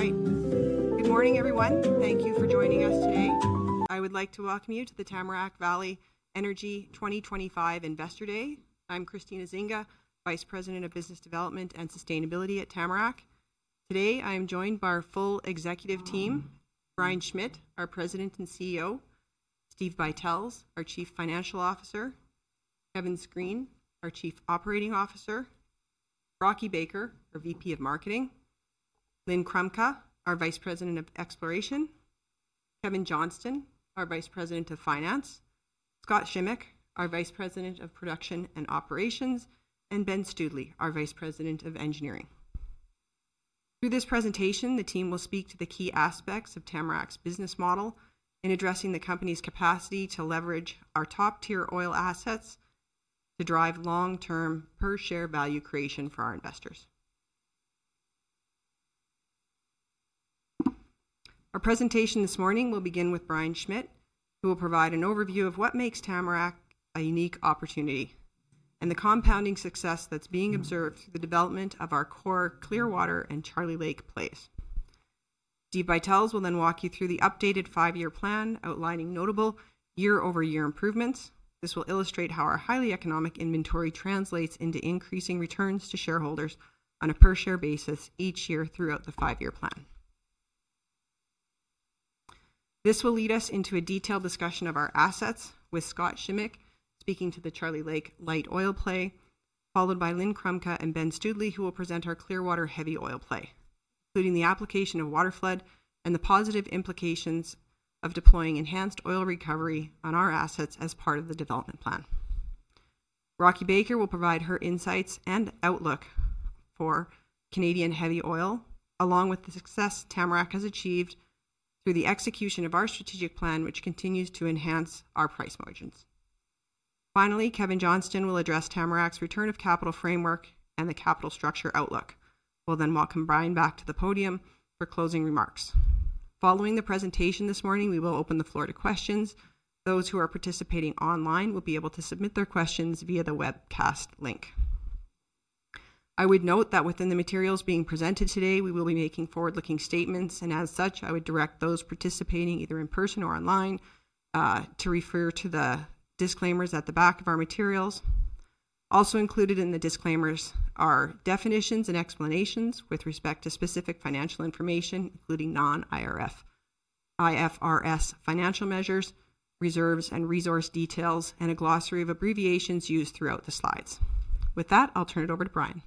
All right. Good morning, everyone. Thank you for joining us today. I would like to welcome you to the Tamarack Valley Energy 2025 Investor Day. I'm Christine Ezinga, Vice President of Business Development and Sustainability at Tamarack. Today, I am joined by our full executive team: Brian Schmidt, our President and CEO; Steve Buytels, our Chief Financial Officer; Kevin Screen, our Chief Operating Officer; Rocky Baker, our VP of Marketing; Lynne Chrumka, our Vice President of Exploration; Kevin Johnston, our Vice President of Finance; Scott Shimek, our Vice President of Production and Operations; and Ben Studley, our Vice President of Engineering. Through this presentation, the team will speak to the key aspects of Tamarack's business model in addressing the company's capacity to leverage our top-tier oil assets to drive long-term per-share value creation for our investors. Our presentation this morning will begin with Brian Schmidt, who will provide an overview of what makes Tamarack a unique opportunity and the compounding success that is being observed through the development of our core Clearwater and Charlie Lake Plays. Steve Buytels will then walk you through the updated five-year plan, outlining notable year-over-year improvements. This will illustrate how our highly economic inventory translates into increasing returns to shareholders on a per-share basis each year throughout the five-year plan. This will lead us into a detailed discussion of our assets, with Scott Shimek speaking to the Charlie Lake Light Oil Play, followed by Lynne Chrumka and Ben Studley, who will present our Clearwater Heavy Oil Play, including the application of water flood and the positive implications of deploying enhanced oil recovery on our assets as part of the development plan. Rocky Baker will provide her insights and outlook for Canadian heavy oil, along with the success Tamarack has achieved through the execution of our strategic plan, which continues to enhance our price margins. Finally, Kevin Johnston will address Tamarack's return of capital framework and the capital structure outlook. We will then welcome Brian back to the podium for closing remarks. Following the presentation this morning, we will open the floor to questions. Those who are participating online will be able to submit their questions via the webcast link. I would note that within the materials being presented today, we will be making forward-looking statements, and as such, I would direct those participating either in person or online to refer to the disclaimers at the back of our materials. Also` included in the disclaimers are definitions and explanations with respect to specific financial information, including non-IFRS financial measures, reserves and resource details, and a glossary of abbreviations used throughout the slides. With that, I'll turn it over to Brian.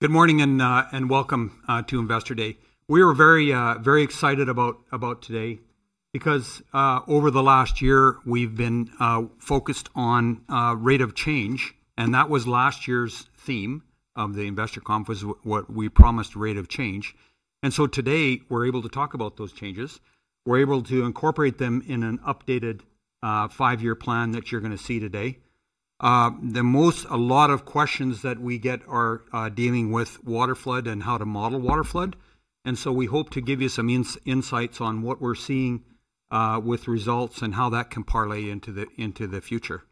Good morning and welcome to Investor Day. We are very, very excited about today because over the last year, we've been focused on rate of change, and that was last year's theme of the Investor Conference, what we promised: rate of change. Today, we're able to talk about those changes. We're able to incorporate them in an updated five-year plan that you're going to see today. The most, a lot of questions that we get are dealing with water flood and how to model water flood. We hope to give you some insights on what we're seeing with results and how that can parlay into the future.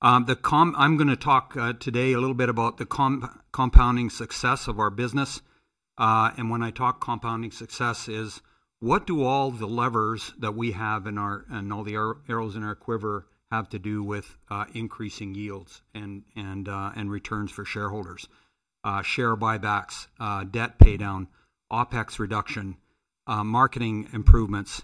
I'm going to talk today a little bit about the compounding success of our business. When I talk compounding success, it's what do all the levers that we have and all the arrows in our quiver have to do with increasing yields and returns for shareholders: share buybacks, debt paydown, OpEx reduction, marketing improvements,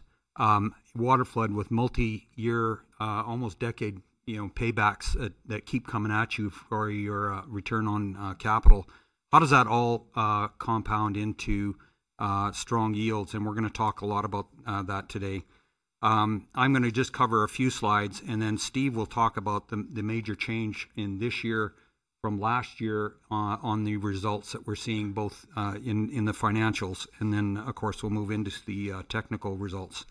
water flood with multi-year, almost decade paybacks that keep coming at you for your return on capital. How does that all compound into strong yields? We're going to talk a lot about that today. I'm going to just cover a few slides, and then Steve will talk about the major change in this year from last year on the results that we're seeing both in the financials. Of course, we'll move into the technical results.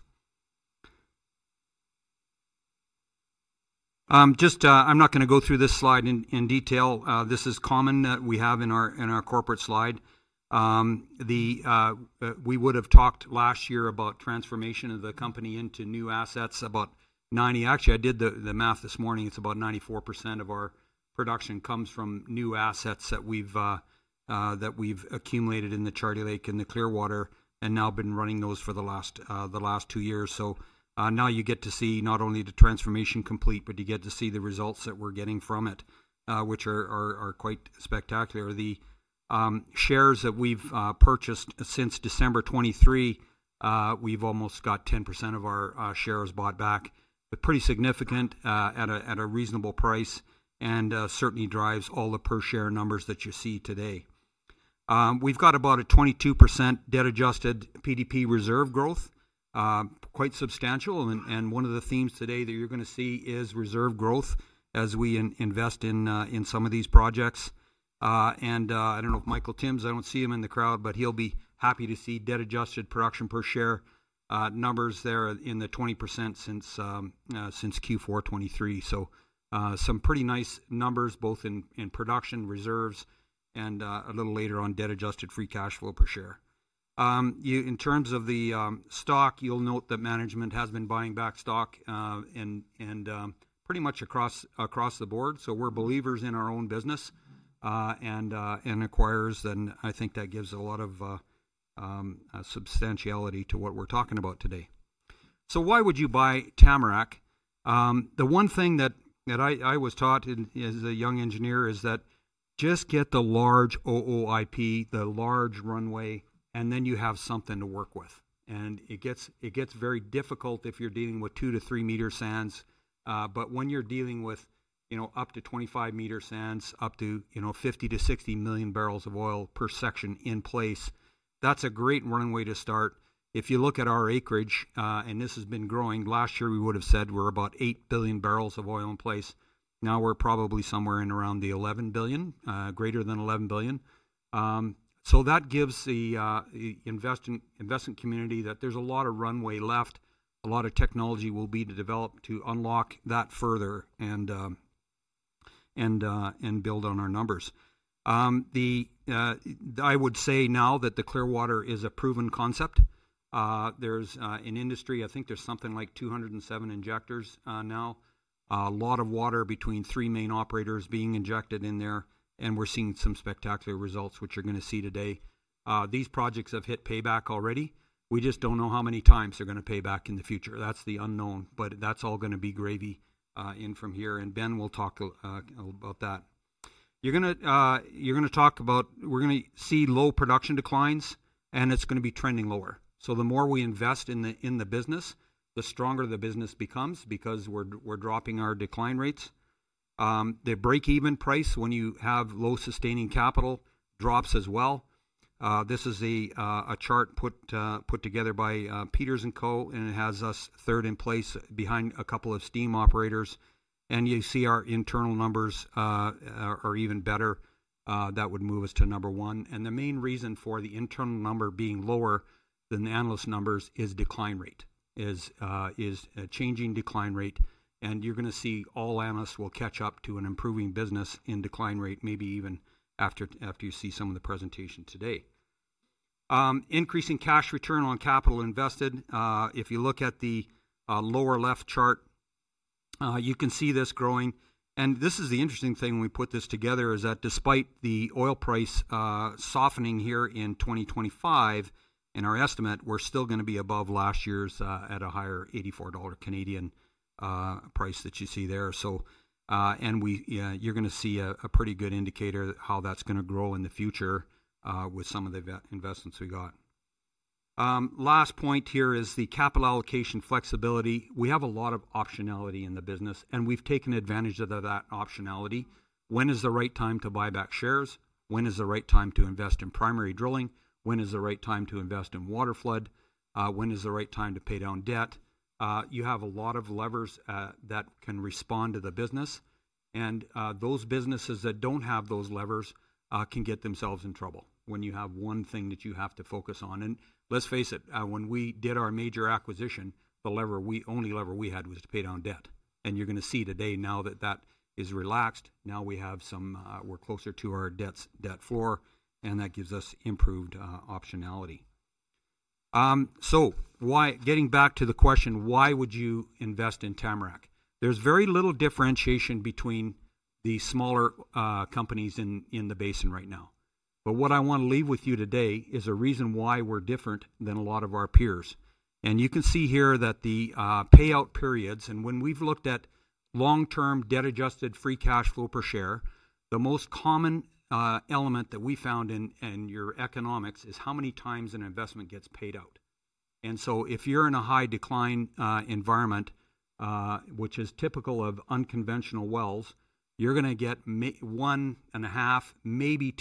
I'm not going to go through this slide in detail. This is common that we have in our corporate slide. We would have talked last year about transformation of the company into new assets, about 90%. Actually, I did the math this morning. It's about 94% of our production comes from new assets that we've accumulated in the Charlie Lake and the Clearwater and now been running those for the last two years. You get to see not only the transformation complete, but you get to see the results that we're getting from it, which are quite spectacular. The shares that we've purchased since December 2023, we've almost got 10% of our shares bought back. It's pretty significant at a reasonable price and certainly drives all the per-share numbers that you see today. We've got about a 22% debt-adjusted PDP reserve growth, quite substantial. One of the themes today that you're going to see is reserve growth as we invest in some of these projects. I do not know if Michael Tims, I do not see him in the crowd, but he will be happy to see debt-adjusted production per-share numbers there in the 20% since Q4 2023. Some pretty nice numbers both in production reserves and a little later on debt-adjusted free cash flow per share. In terms of the stock, you will note that management has been buying back stock and pretty much across the board. We are believers in our own business and acquirers, and I think that gives a lot of substantiality to what we are talking about today. Why would you buy Tamarack? The one thing that I was taught as a young engineer is that just get the large OOIP, the large runway, and then you have something to work with. It gets very difficult if you are dealing with two- to three-meter sands. When you're dealing with up to 25-meter sands, up to 50-60 million barrels of oil per section in place, that's a great runway to start. If you look at our acreage, and this has been growing, last year we would have said we're about 8 billion barrels of oil in place. Now we're probably somewhere in around the 11 billion, greater than 11 billion. That gives the investment community that there's a lot of runway left, a lot of technology will be developed to unlock that further and build on our numbers. I would say now that the Clearwater is a proven concept. There's an industry, I think there's something like 207 injectors now, a lot of water between three main operators being injected in there, and we're seeing some spectacular results, which you're going to see today. These projects have hit payback already. We just do not know how many times they are going to pay back in the future. That is the unknown, but that is all going to be gravy in from here. And Ben will talk a little about that. You are going to talk about we are going to see low production declines, and it is going to be trending lower. The more we invest in the business, the stronger the business becomes because we are dropping our decline rates. The break-even price when you have low sustaining capital drops as well. This is a chart put together by Peters & Co. Limited, and it has us third in place behind a couple of steam operators. You see our internal numbers are even better. That would move us to number one. The main reason for the internal number being lower than analyst numbers is decline rate, is changing decline rate. You're going to see all analysts will catch up to an improving business in decline rate, maybe even after you see some of the presentation today. Increasing cash return on capital invested. If you look at the lower left chart, you can see this growing. This is the interesting thing when we put this together, that despite the oil price softening here in 2025, in our estimate, we're still going to be above last year's at a higher 84 Canadian dollars price that you see there. You're going to see a pretty good indicator of how that's going to grow in the future with some of the investments we got. Last point here is the capital allocation flexibility. We have a lot of optionality in the business, and we've taken advantage of that optionality. When is the right time to buy back shares? When is the right time to invest in primary drilling? When is the right time to invest in water flood? When is the right time to pay down debt? You have a lot of levers that can respond to the business. Those businesses that do not have those levers can get themselves in trouble when you have one thing that you have to focus on. Let's face it, when we did our major acquisition, the only lever we had was to pay down debt. You are going to see today now that that is relaxed, now we have some, we are closer to our debt floor, and that gives us improved optionality. Getting back to the question, why would you invest in Tamarack? There is very little differentiation between the smaller companies in the basin right now. What I want to leave with you today is a reason why we're different than a lot of our peers. You can see here that the payout periods, and when we've looked at long-term debt-adjusted free cash flow per share, the most common element that we found in your economics is how many times an investment gets paid out. If you're in a high decline environment, which is typical of unconventional wells, you're going to get one and a half, maybe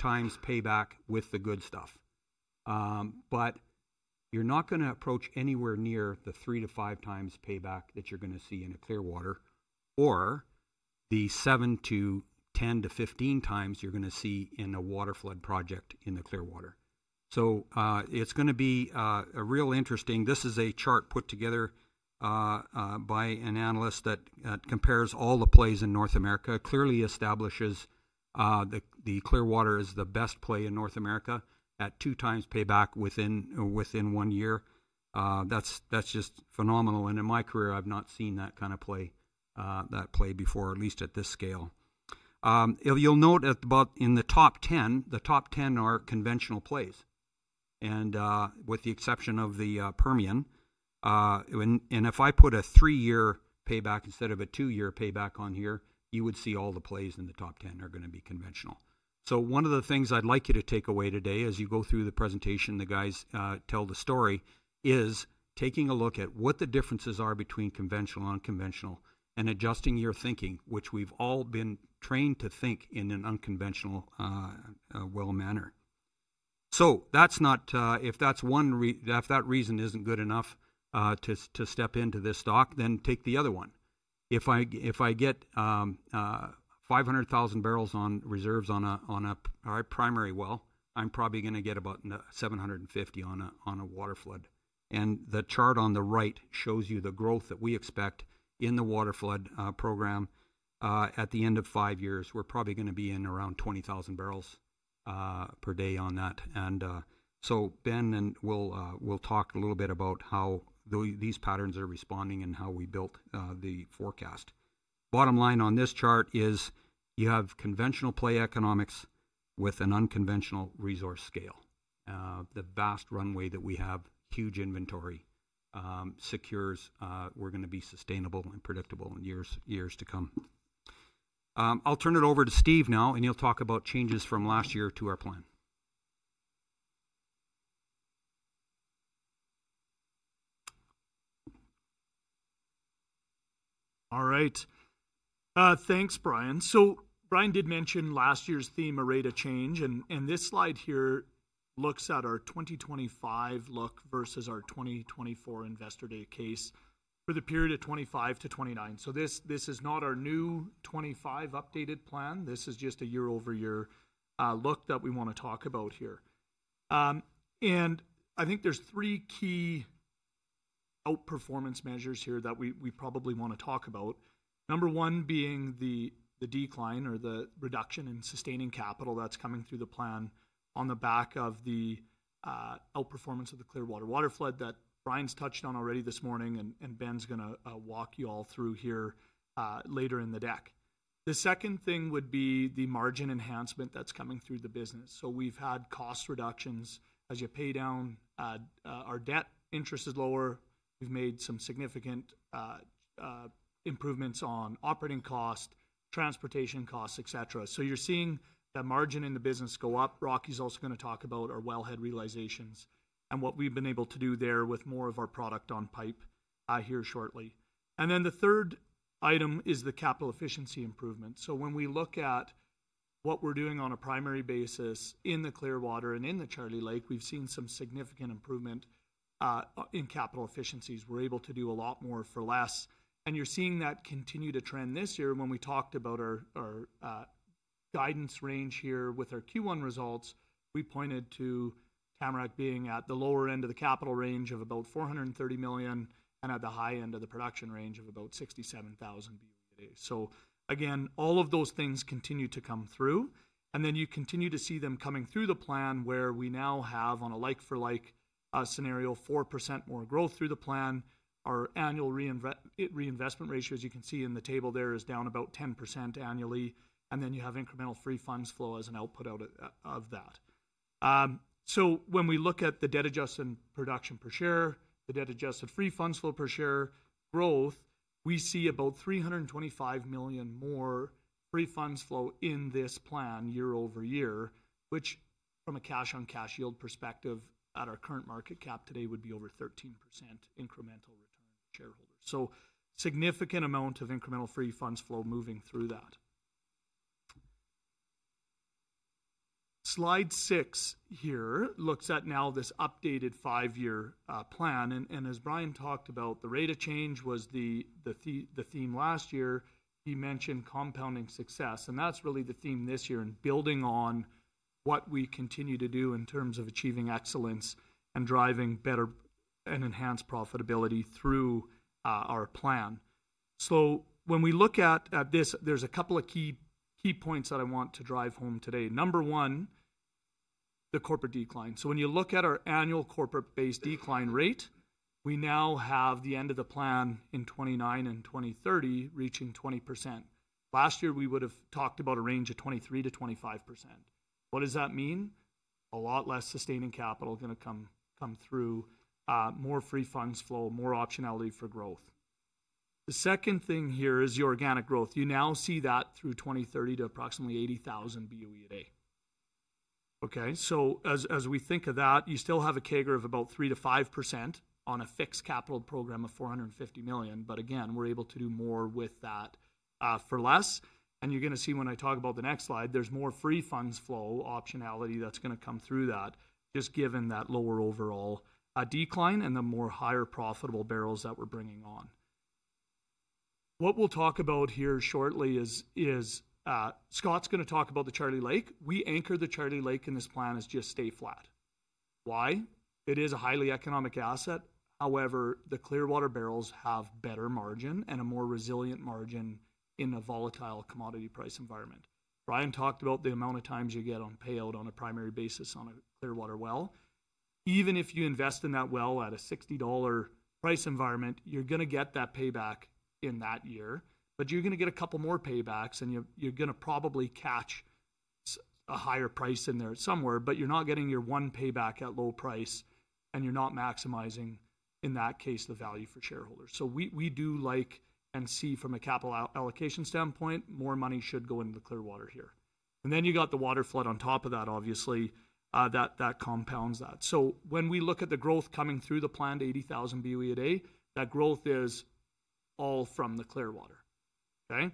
two times payback with the good stuff. You're not going to approach anywhere near the three- to five-times payback that you're going to see in a Clearwater or the 7-10-15 times you're going to see in a water flood project in the Clearwater. It's going to be real interesting. This is a chart put together by an analyst that compares all the plays in North America, clearly establishes the Clearwater is the best play in North America at two times payback within one year. That's just phenomenal. In my career, I've not seen that kind of play before, at least at this scale. You'll note in the top 10, the top 10 are conventional plays, with the exception of the Permian. If I put a three-year payback instead of a two-year payback on here, you would see all the plays in the top 10 are going to be conventional. One of the things I'd like you to take away today as you go through the presentation, the guys tell the story, is taking a look at what the differences are between conventional and unconventional and adjusting your thinking, which we've all been trained to think in an unconventional well manner. If that reason isn't good enough to step into this stock, then take the other one. If I get 500,000 barrels on reserves on a primary well, I'm probably going to get about 750,000 on a water flood. The chart on the right shows you the growth that we expect in the waterflood program. At the end of five years, we're probably going to be in around 20,000 barrels per day on that. Ben and we'll talk a little bit about how these patterns are responding and how we built the forecast. Bottom line on this chart is you have conventional play economics with an unconventional resource scale. The vast runway that we have, huge inventory, secures we're going to be sustainable and predictable in years to come. I'll turn it over to Steve now, and he'll talk about changes from last year to our plan. All right. Thanks, Brian. Brian did mention last year's theme, a rate of change. This slide here looks at our 2025 look versus our 2024 Investor Day case for the period of 2025 to 2029. This is not our new 2025 updated plan. This is just a year-over-year look that we want to talk about here. I think there are three key outperformance measures here that we probably want to talk about. Number one being the decline or the reduction in sustaining capital that is coming through the plan on the back of the outperformance of the Clearwater water flood that Brian has touched on already this morning, and Ben is going to walk you all through here later in the deck. The second thing would be the margin enhancement that is coming through the business. We have had cost reductions as you pay down. Our debt interest is lower. We've made some significant improvements on operating costs, transportation costs, etc. So you're seeing the margin in the business go up. Rocky's also going to talk about our wellhead realizations and what we've been able to do there with more of our product on pipe here shortly. The third item is the capital efficiency improvement. When we look at what we're doing on a primary basis in the Clearwater and in the Charlie Lake, we've seen some significant improvement in capital efficiencies. We're able to do a lot more for less. You're seeing that continue to trend this year. When we talked about our guidance range here with our Q1 results, we pointed to Tamarack being at the lower end of the capital range of about 430 million and at the high end of the production range of about 67,000 BOE a day. Again, all of those things continue to come through. You continue to see them coming through the plan where we now have, on a like-for-like scenario, 4% more growth through the plan. Our annual reinvestment ratios, you can see in the table there, is down about 10% annually. You have incremental free funds flow as an output out of that. When we look at the debt-adjusted production per share, the debt-adjusted free funds flow per share growth, we see about 325 million more free funds flow in this plan year over year, which from a cash-on-cash yield perspective at our current market cap today would be over 13% incremental return to shareholders. Significant amount of incremental free funds flow moving through that. Slide six here looks at now this updated five-year plan. As Brian talked about, the rate of change was the theme last year. He mentioned compounding success. That is really the theme this year in building on what we continue to do in terms of achieving excellence and driving better and enhanced profitability through our plan. When we look at this, there are a couple of key points that I want to drive home today. Number one, the corporate decline. When you look at our annual corporate-based decline rate, we now have the end of the plan in 2029 and 2030, reaching 20%. Last year, we would have talked about a range of 23%-25%. What does that mean? A lot less sustaining capital going to come through, more free funds flow, more optionality for growth. The second thing here is your organic growth. You now see that through 2030 to approximately 80,000 BOE a day. Okay? As we think of that, you still have a CAGR of about 3-5% on a fixed capital program of 450 million. Again, we're able to do more with that for less. You're going to see when I talk about the next slide, there's more free funds flow optionality that's going to come through that, just given that lower overall decline and the more higher profitable barrels that we're bringing on. What we'll talk about here shortly is Scott's going to talk about the Charlie Lake. We anchor the Charlie Lake in this plan as just stay flat. Why? It is a highly economic asset. However, the Clearwater barrels have better margin and a more resilient margin in a volatile commodity price environment. Brian talked about the amount of times you get on payout on a primary basis on a Clearwater well. Even if you invest in that well at a 60 dollar price environment, you're going to get that payback in that year. You're going to get a couple more paybacks, and you're going to probably catch a higher price in there somewhere. You're not getting your one payback at low price, and you're not maximizing, in that case, the value for shareholders. We do like and see from a capital allocation standpoint, more money should go into the Clearwater here. You got the water flood on top of that, obviously, that compounds that. When we look at the growth coming through the plan to 80,000 BOE a day, that growth is all from the Clearwater. Okay?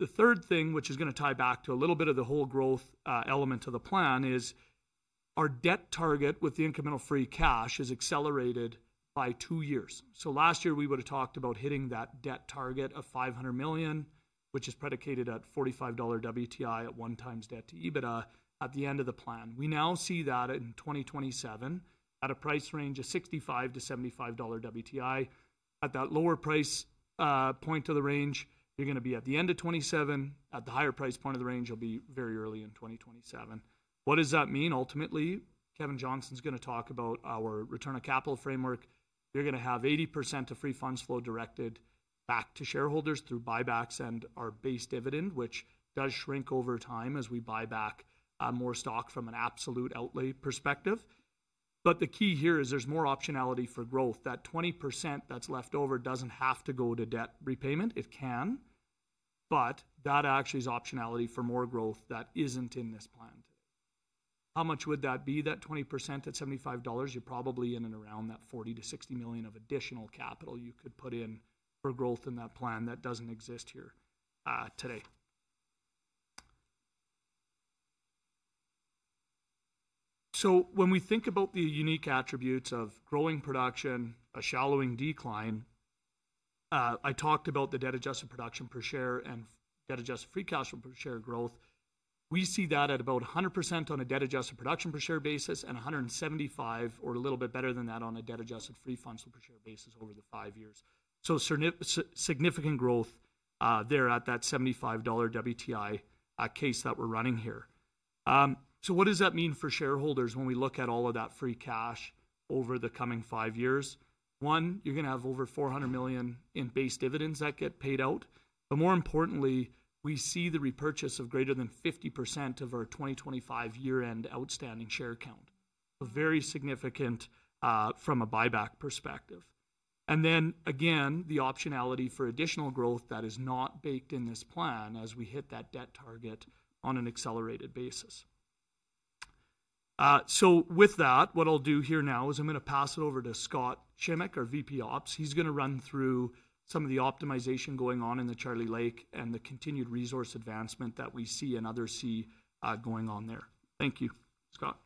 The third thing, which is going to tie back to a little bit of the whole growth element of the plan, is our debt target with the incremental free cash is accelerated by two years. Last year, we would have talked about hitting that debt target of 500 million, which is predicated at 45 dollar WTI at one times debt-to-EBITDA at the end of the plan. We now see that in 2027 at a price range of 65-75 dollar WTI. At that lower price point of the range, you're going to be at the end of 2027. At the higher price point of the range, you'll be very early in 2027. What does that mean ultimately? Kevin Johnston's going to talk about our return of capital framework. You're going to have 80% of free funds flow directed back to shareholders through buybacks and our base dividend, which does shrink over time as we buy back more stock from an absolute outlay perspective. The key here is there's more optionality for growth. That 20% that's left over doesn't have to go to debt repayment. It can. That actually is optionality for more growth that isn't in this plan today. How much would that be, that 20% at 75 dollars? You're probably in and around that 40 million-60 million of additional capital you could put in for growth in that plan that doesn't exist here today. When we think about the unique attributes of growing production, a shallowing decline, I talked about the debt-adjusted production per share and debt-adjusted free cash flow per share growth. We see that at about 100% on a debt-adjusted production per share basis and 175% or a little bit better than that on a debt-adjusted free funds flow per share basis over the five years. Significant growth there at that 75 dollar WTI case that we're running here. What does that mean for shareholders when we look at all of that free cash over the coming five years? One, you're going to have over 400 million in base dividends that get paid out. More importantly, we see the repurchase of greater than 50% of our 2025 year-end outstanding share count, very significant from a buyback perspective. Again, the optionality for additional growth that is not baked in this plan as we hit that debt target on an accelerated basis. With that, what I'll do here now is I'm going to pass it over to Scott Shimek, our VP Ops. He's going to run through some of the optimization going on in the Charlie Lake and the continued resource advancement that we see and others see going on there. Thank you, Scott.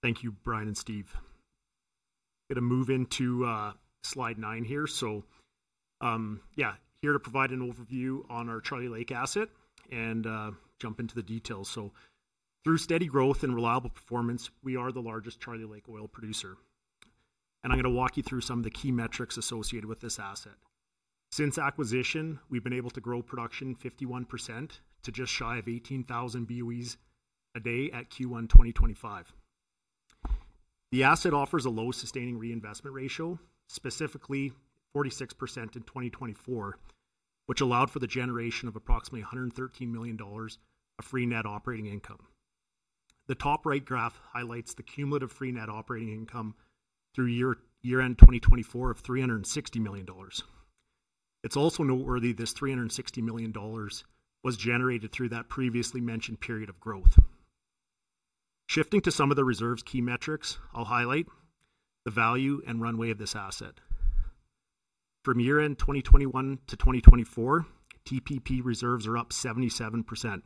Thank you, Brian and Steve. Going to move into slide nine here. Yeah, here to provide an overview on our Charlie Lake asset and jump into the details. Through steady growth and reliable performance, we are the largest Charlie Lake oil producer. I'm going to walk you through some of the key metrics associated with this asset. Since acquisition, we've been able to grow production 51% to just shy of 18,000 BOEs a day at Q1 2025. The asset offers a low sustaining reinvestment ratio, specifically 46% in 2024, which allowed for the generation of approximately 113 million dollars of free net operating income. The top right graph highlights the cumulative free net operating income through year-end 2024 of 360 million dollars. It's also noteworthy this 360 million dollars was generated through that previously mentioned period of growth. Shifting to some of the reserves key metrics, I'll highlight the value and runway of this asset. From year-end 2021 to 2024, TPP reserves are up 77%.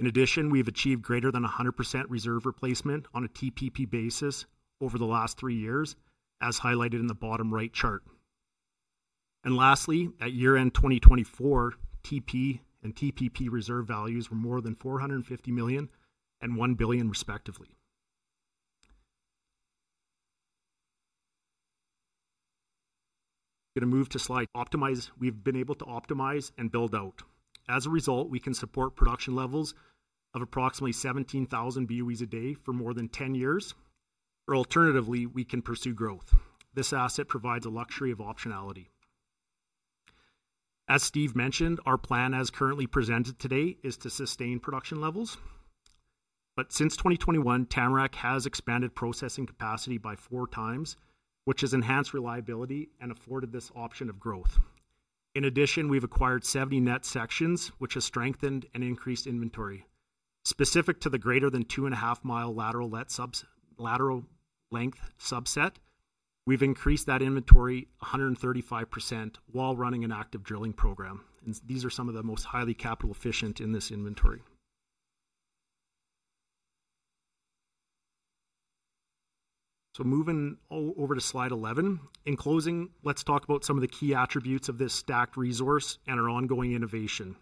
In addition, we've achieved greater than 100% reserve replacement on a TPP basis over the last three years, as highlighted in the bottom right chart. Lastly, at year-end 2024, TP and TPP reserve values were more than 450 million and 1 billion, respectively. Going to move to slide. Optimize, we've been able to optimize and build out. As a result, we can support production levels of approximately 17,000 BOEs a day for more than 10 years. Alternatively, we can pursue growth. This asset provides a luxury of optionality. As Steve mentioned, our plan as currently presented today is to sustain production levels. Since 2021, Tamarack has expanded processing capacity by four times, which has enhanced reliability and afforded this option of growth. In addition, we've acquired 70 net sections, which has strengthened and increased inventory. Specific to the greater than 2.5 MI lateral length subset, we've increased that inventory 135% while running an active drilling program. These are some of the most highly capital efficient in this inventory. Moving over to slide 11. In closing, let's talk about some of the key attributes of this stacked resource and our ongoing innovation.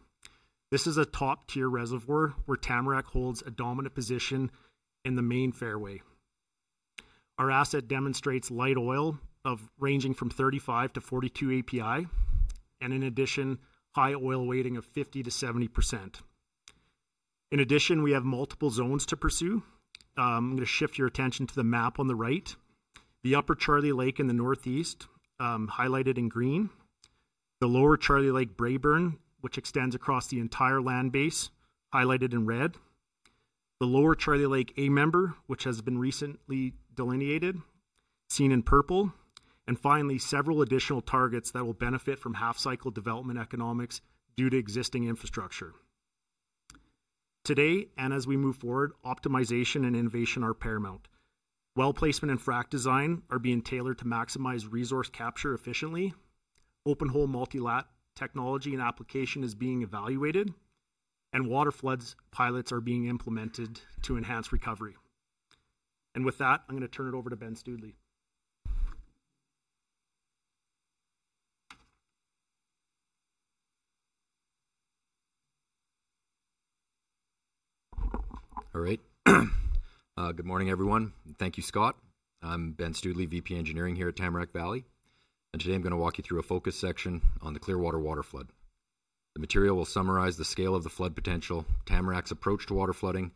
This is a top-tier reservoir where Tamarack holds a dominant position in the main fairway. Our asset demonstrates light oil ranging from 35-42 API, and in addition, high oil weighting of 50-70%. In addition, we have multiple zones to pursue. I'm going to shift your attention to the map on the right. The upper Charlie Lake in the northeast, highlighted in green. The lower Charlie Lake Brayburn, which extends across the entire land base, highlighted in red. The lower Charlie Lake A member, which has been recently delineated, seen in purple. Finally, several additional targets that will benefit from half-cycle development economics due to existing infrastructure. Today, and as we move forward, optimization and innovation are paramount. Well placement and frac design are being tailored to maximize resource capture efficiently. Open hole multi-lat technology and application is being evaluated, and water flood pilots are being implemented to enhance recovery. With that, I'm going to turn it over to Ben Studley. All right. Good morning, everyone. Thank you, Scott. I'm Ben Studley, VP Engineering here at Tamarack Valley. Today, I'm going to walk you through a focus section on the Clearwater water flood. The material will summarize the scale of the flood potential, Tamarack's approach to water flooding,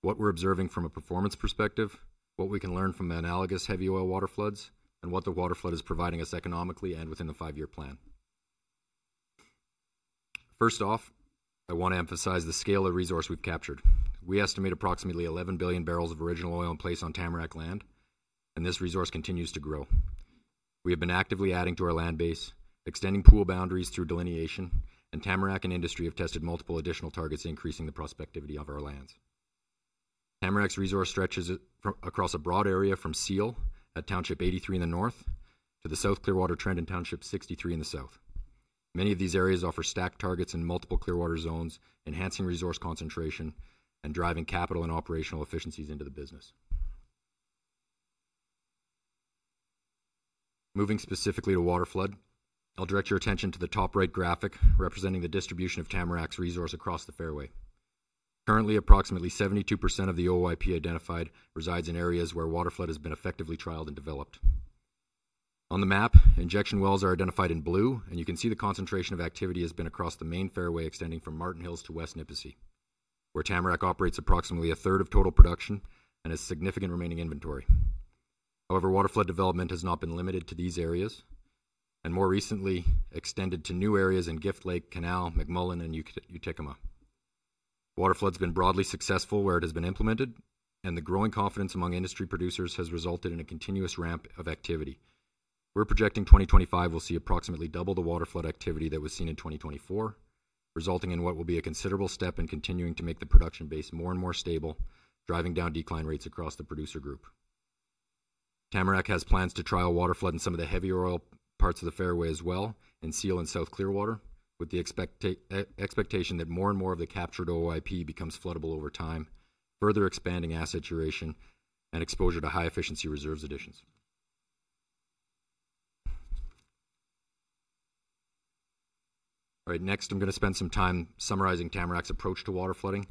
what we're observing from a performance perspective, what we can learn from the analogous heavy oil water floods, and what the water flood is providing us economically and within the five-year plan. First off, I want to emphasize the scale of resource we've captured. We estimate approximately 11 billion barrels of original oil in place on Tamarack land, and this resource continues to grow. We have been actively adding to our land base, extending pool boundaries through delineation, and Tamarack and industry have tested multiple additional targets, increasing the prospectivity of our lands. Tamarack's resource stretches across a broad area from Seal at township 83 in the north to the South Clearwater Trend in township 63 in the south. Many of these areas offer stacked targets in multiple Clearwater zones, enhancing resource concentration and driving capital and operational efficiencies into the business. Moving specifically to water flood, I'll direct your attention to the top right graphic representing the distribution of Tamarack's resource across the fairway. Currently, approximately 72% of the OOIP identified resides in areas where water flood has been effectively trialed and developed. On the map, injection wells are identified in blue, and you can see the concentration of activity has been across the main fairway extending from Martin Hills to West Nipissing, where Tamarack operates approximately a third of total production and has significant remaining inventory. However, water flood development has not been limited to these areas, and more recently, extended to new areas in Gift Lake, Canal, McMullen, and Uticuma. Water flood has been broadly successful where it has been implemented, and the growing confidence among industry producers has resulted in a continuous ramp of activity. We're projecting 2025 will see approximately double the water flood activity that was seen in 2024, resulting in what will be a considerable step in continuing to make the production base more and more stable, driving down decline rates across the producer group. Tamarack has plans to trial water flood in some of the heavier oil parts of the fairway as well, in Seal and South Clearwater, with the expectation that more and more of the captured OOIP becomes floodable over time, further expanding asset duration and exposure to high-efficiency reserves additions. All right, next, I'm going to spend some time summarizing Tamarack's approach to water flooding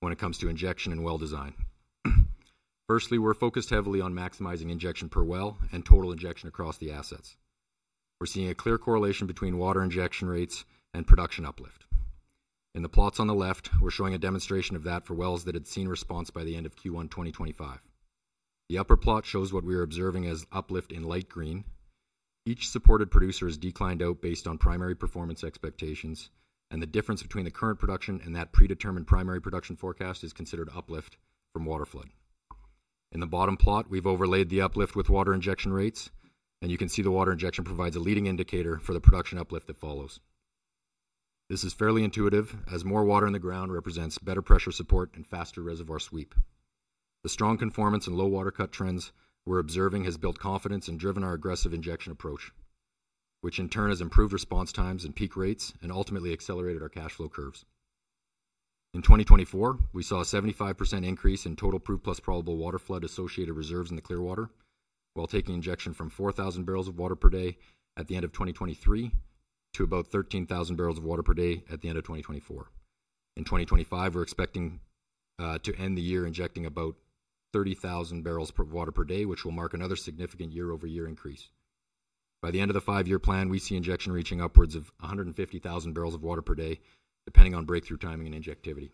when it comes to injection and well design. Firstly, we're focused heavily on maximizing injection per well and total injection across the assets. We're seeing a clear correlation between water injection rates and production uplift. In the plots on the left, we're showing a demonstration of that for wells that had seen response by the end of Q1 2025. The upper plot shows what we are observing as uplift in light green. Each supported producer is declined out based on primary performance expectations, and the difference between the current production and that predetermined primary production forecast is considered uplift from water flood. In the bottom plot, we've overlaid the uplift with water injection rates, and you can see the water injection provides a leading indicator for the production uplift that follows. This is fairly intuitive as more water in the ground represents better pressure support and faster reservoir sweep. The strong conformance and low water cut trends we're observing has built confidence and driven our aggressive injection approach, which in turn has improved response times and peak rates and ultimately accelerated our cash flow curves. In 2024, we saw a 75% increase in total proved plus probable water flood associated reserves in the Clearwater, while taking injection from 4,000 barrels of water per day at the end of 2023 to about 13,000 barrels of water per day at the end of 2024. In 2025, we're expecting to end the year injecting about 30,000 barrels of water per day, which will mark another significant year-over-year increase. By the end of the five-year plan, we see injection reaching upwards of 150,000 barrels of water per day, depending on breakthrough timing and injectivity.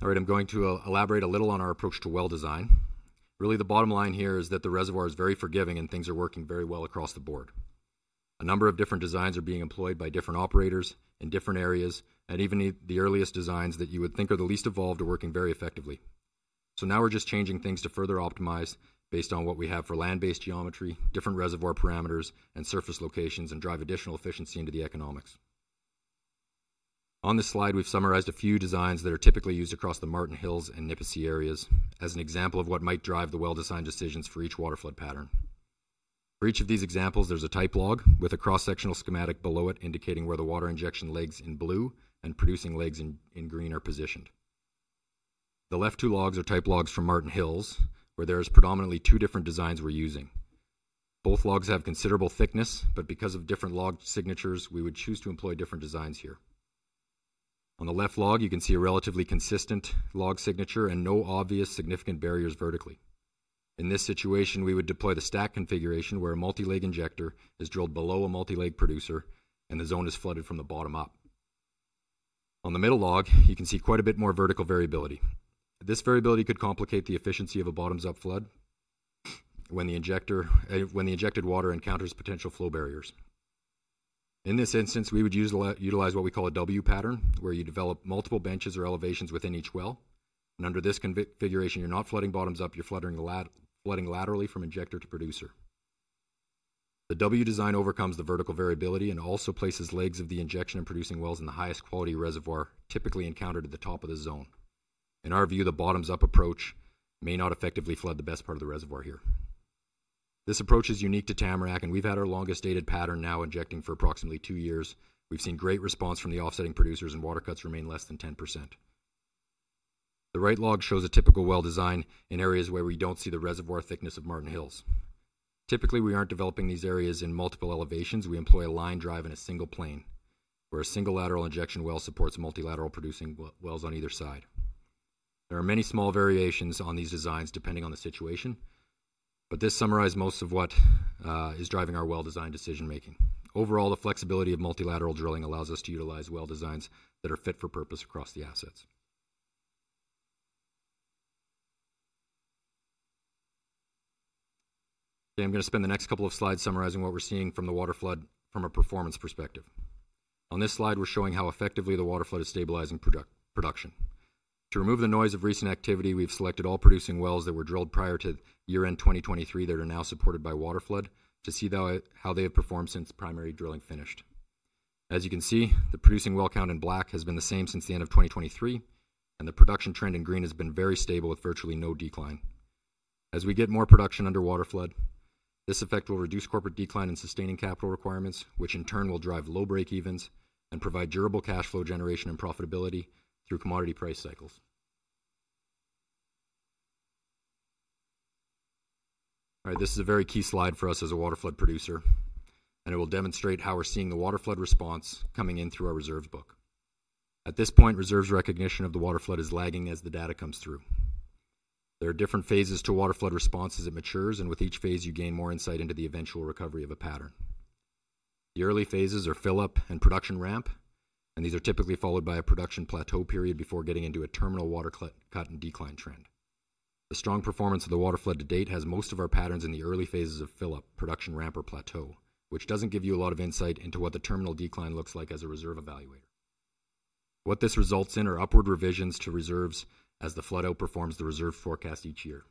All right, I'm going to elaborate a little on our approach to well design. Really, the bottom line here is that the reservoir is very forgiving and things are working very well across the board. A number of different designs are being employed by different operators in different areas, and even the earliest designs that you would think are the least evolved are working very effectively. Now we're just changing things to further optimize based on what we have for land-based geometry, different reservoir parameters, and surface locations, and drive additional efficiency into the economics. On this slide, we've summarized a few designs that are typically used across the Martin Hills and Nipissing areas as an example of what might drive the well design decisions for each water flood pattern. For each of these examples, there is a type log with a cross-sectional schematic below it indicating where the water injection legs in blue and producing legs in green are positioned. The left two logs are type logs from Martin Hills, where there are predominantly two different designs we are using. Both logs have considerable thickness, but because of different log signatures, we would choose to employ different designs here. On the left log, you can see a relatively consistent log signature and no obvious significant barriers vertically. In this situation, we would deploy the stack configuration where a multi-leg injector is drilled below a multi-leg producer and the zone is flooded from the bottom up. On the middle log, you can see quite a bit more vertical variability. This variability could complicate the efficiency of a bottoms-up flood when the injected water encounters potential flow barriers. In this instance, we would utilize what we call a W pattern, where you develop multiple benches or elevations within each well. Under this configuration, you are not flooding bottoms up, you are flooding laterally from injector to producer. The W design overcomes the vertical variability and also places legs of the injection and producing wells in the highest quality reservoir typically encountered at the top of the zone. In our view, the bottoms-up approach may not effectively flood the best part of the reservoir here. This approach is unique to Tamarack, and we have had our longest dated pattern now injecting for approximately two years. We have seen great response from the offsetting producers, and water cuts remain less than 10%. The right log shows a typical well design in areas where we do not see the reservoir thickness of Martin Hills. Typically, we are not developing these areas in multiple elevations. We employ a line drive in a single plane, where a single lateral injection well supports multi-lateral producing wells on either side. There are many small variations on these designs depending on the situation, but this summarizes most of what is driving our well design decision making. Overall, the flexibility of multi-lateral drilling allows us to utilize well designs that are fit for purpose across the assets. I'm going to spend the next couple of slides summarizing what we're seeing from the water flood from a performance perspective. On this slide, we're showing how effectively the water flood is stabilizing production. To remove the noise of recent activity, we've selected all producing wells that were drilled prior to year-end 2023 that are now supported by water flood to see how they have performed since primary drilling finished. As you can see, the producing well count in black has been the same since the end of 2023, and the production trend in green has been very stable with virtually no decline. As we get more production under water flood, this effect will reduce corporate decline in sustaining capital requirements, which in turn will drive low break-evens and provide durable cash flow generation and profitability through commodity price cycles. All right, this is a very key slide for us as a water flood producer, and it will demonstrate how we're seeing the water flood response coming in through our reserves book. At this point, reserves recognition of the water flood is lagging as the data comes through. There are different phases to water flood response as it matures, and with each phase, you gain more insight into the eventual recovery of a pattern. The early phases are fill-up and production ramp, and these are typically followed by a production plateau period before getting into a terminal water cut and decline trend. The strong performance of the water flood to date has most of our patterns in the early phases of fill-up, production ramp, or plateau, which does not give you a lot of insight into what the terminal decline looks like as a reserve evaluator. What this results in are upward revisions to reserves as the flood outperforms the reserve forecast each year.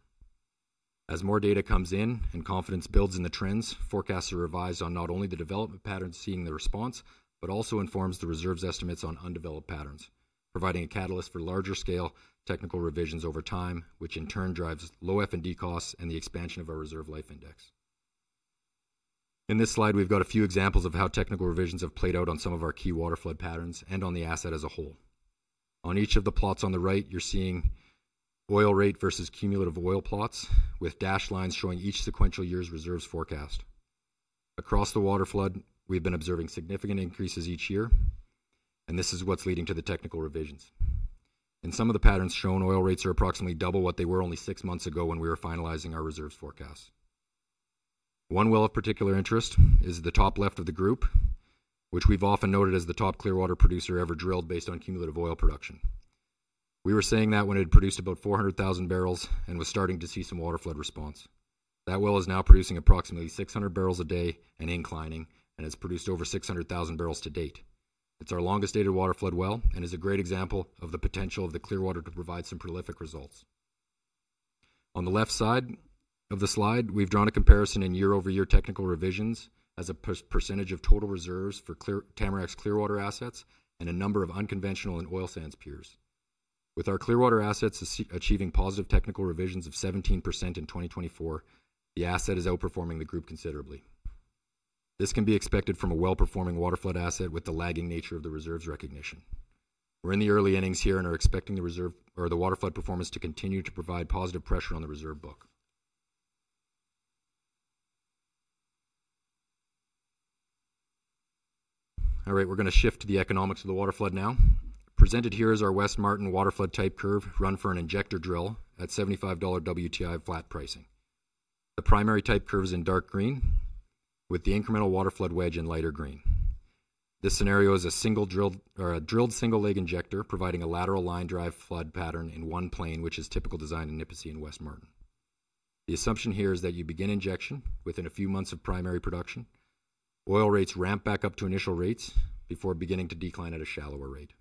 As more data comes in and confidence builds in the trends, forecasts are revised on not only the development patterns seeing the response, but also informs the reserves estimates on undeveloped patterns, providing a catalyst for larger scale technical revisions over time, which in turn drives low F&D costs and the expansion of our reserve life index. In this slide, we've got a few examples of how technical revisions have played out on some of our key water flood patterns and on the asset as a whole. On each of the plots on the right, you're seeing oil rate versus cumulative oil plots with dashed lines showing each sequential year's reserves forecast. Across the water flood, we've been observing significant increases each year, and this is what's leading to the technical revisions. In some of the patterns shown, oil rates are approximately double what they were only six months ago when we were finalizing our reserves forecasts. One well of particular interest is the top left of the group, which we've often noted as the top Clearwater producer ever drilled based on cumulative oil production. We were saying that when it had produced about 400,000 barrels and was starting to see some water flood response. That well is now producing approximately 600 barrels a day and inclining, and it's produced over 600,000 barrels to date. It's our longest dated water flood well and is a great example of the potential of the Clearwater to provide some prolific results. On the left side of the slide, we've drawn a comparison in year-over-year technical revisions as a percentage of total reserves for Tamarack's Clearwater assets and a number of unconventional and oil sands peers. With our Clearwater assets achieving positive technical revisions of 17% in 2024, the asset is outperforming the group considerably. This can be expected from a well-performing water flood asset with the lagging nature of the reserves recognition. We're in the early innings here and are expecting the water flood performance to continue to provide positive pressure on the reserve book. All right, we're going to shift to the economics of the water flood now. Presented here is our West Martin water flood type curve run for an injector drill at 75 dollar WTI flat pricing. The primary type curve is in dark green with the incremental water flood wedge in lighter green. This scenario is a single drilled single leg injector providing a lateral line drive flood pattern in one plane, which is typical design in Nipissing and West Martin. The assumption here is that you begin injection within a few months of primary production. Oil rates ramp back up to initial rates before beginning to decline at a shallower rate.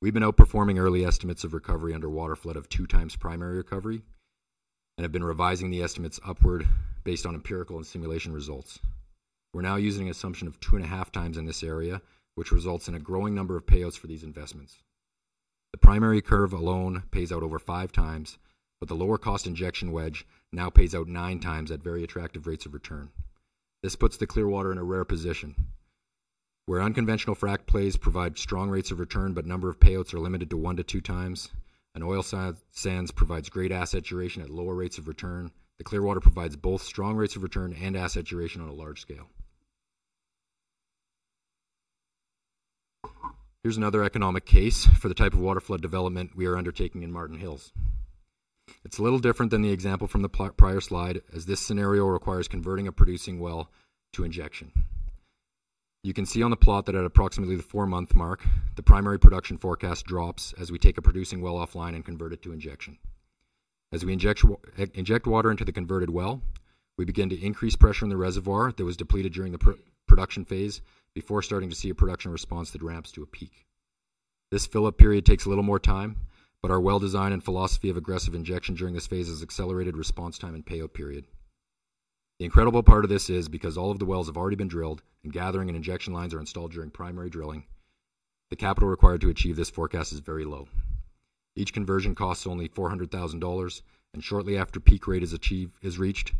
We've been outperforming early estimates of recovery under water flood of two times primary recovery and have been revising the estimates upward based on empirical and simulation results. We're now using an assumption of two and a half times in this area, which results in a growing number of payouts for these investments. The primary curve alone pays out over five times, but the lower cost injection wedge now pays out nine times at very attractive rates of return. This puts the Clearwater in a rare position where unconventional frac plays provide strong rates of return, but number of payouts are limited to one to two times. Oil sands provides great asset duration at lower rates of return. The Clearwater provides both strong rates of return and asset duration on a large scale. Here's another economic case for the type of water flood development we are undertaking in Martin Hills. It's a little different than the example from the prior slide, as this scenario requires converting a producing well to injection. You can see on the plot that at approximately the four-month mark, the primary production forecast drops as we take a producing well offline and convert it to injection. As we inject water into the converted well, we begin to increase pressure in the reservoir that was depleted during the production phase before starting to see a production response that ramps to a peak. This fill-up period takes a little more time, but our well design and philosophy of aggressive injection during this phase has accelerated response time and payout period. The incredible part of this is because all of the wells have already been drilled and gathering and injection lines are installed during primary drilling, the capital required to achieve this forecast is very low. Each conversion costs only 400,000 dollars, and shortly after peak rate is reached,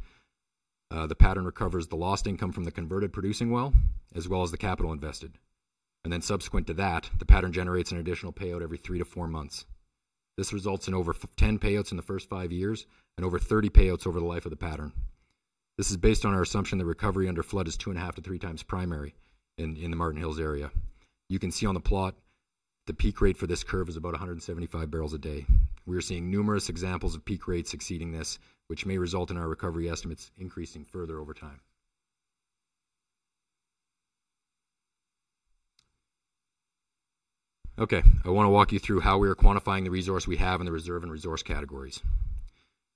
the pattern recovers the lost income from the converted producing well as well as the capital invested. Subsequent to that, the pattern generates an additional payout every three to four months. This results in over 10 payouts in the first five years and over 30 payouts over the life of the pattern. This is based on our assumption that recovery under flood is 2.5-3 times primary in the Martin Hills area. You can see on the plot the peak rate for this curve is about 175 barrels a day. We are seeing numerous examples of peak rates exceeding this, which may result in our recovery estimates increasing further over time. Okay, I want to walk you through how we are quantifying the resource we have in the reserve and resource categories.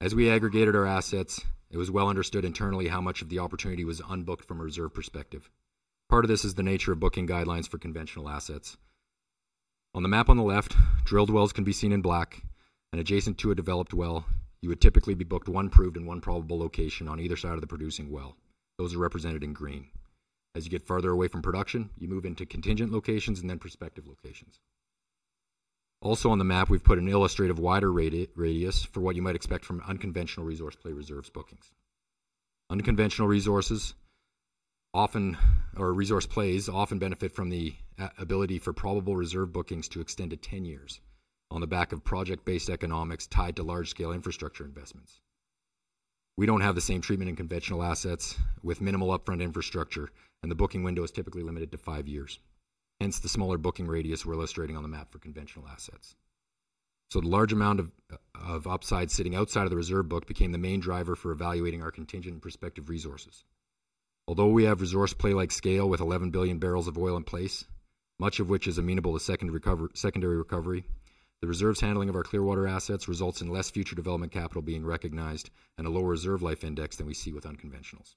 As we aggregated our assets, it was well understood internally how much of the opportunity was unbooked from a reserve perspective. Part of this is the nature of booking guidelines for conventional assets. On the map on the left, drilled wells can be seen in black, and adjacent to a developed well, you would typically be booked one proved and one probable location on either side of the producing well. Those are represented in green. As you get further away from production, you move into contingent locations and then prospective locations. Also on the map, we have put an illustrative wider radius for what you might expect from unconventional resource play reserves bookings. Unconventional resources often or resource plays often benefit from the ability for probable reserve bookings to extend to 10 years on the back of project-based economics tied to large-scale infrastructure investments. We do not have the same treatment in conventional assets with minimal upfront infrastructure, and the booking window is typically limited to five years. Hence the smaller booking radius we are illustrating on the map for conventional assets. The large amount of upside sitting outside of the reserve book became the main driver for evaluating our contingent and prospective resources. Although we have resource play-like scale with 11 billion barrels of oil in place, much of which is amenable to secondary recovery, the reserves handling of our Clearwater assets results in less future development capital being recognized and a lower reserve life index than we see with unconventionals.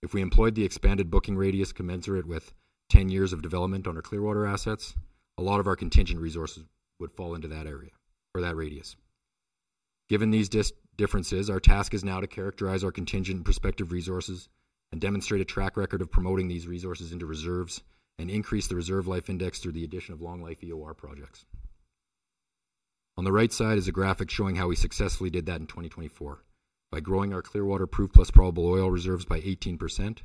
If we employed the expanded booking radius commensurate with 10 years of development on our Clearwater assets, a lot of our contingent resources would fall into that area or that radius. Given these differences, our task is now to characterize our contingent and prospective resources and demonstrate a track record of promoting these resources into reserves and increase the reserve life index through the addition of long life EOR projects. On the right side is a graphic showing how we successfully did that in 2024 by growing our Clearwater proved plus probable oil reserves by 18%,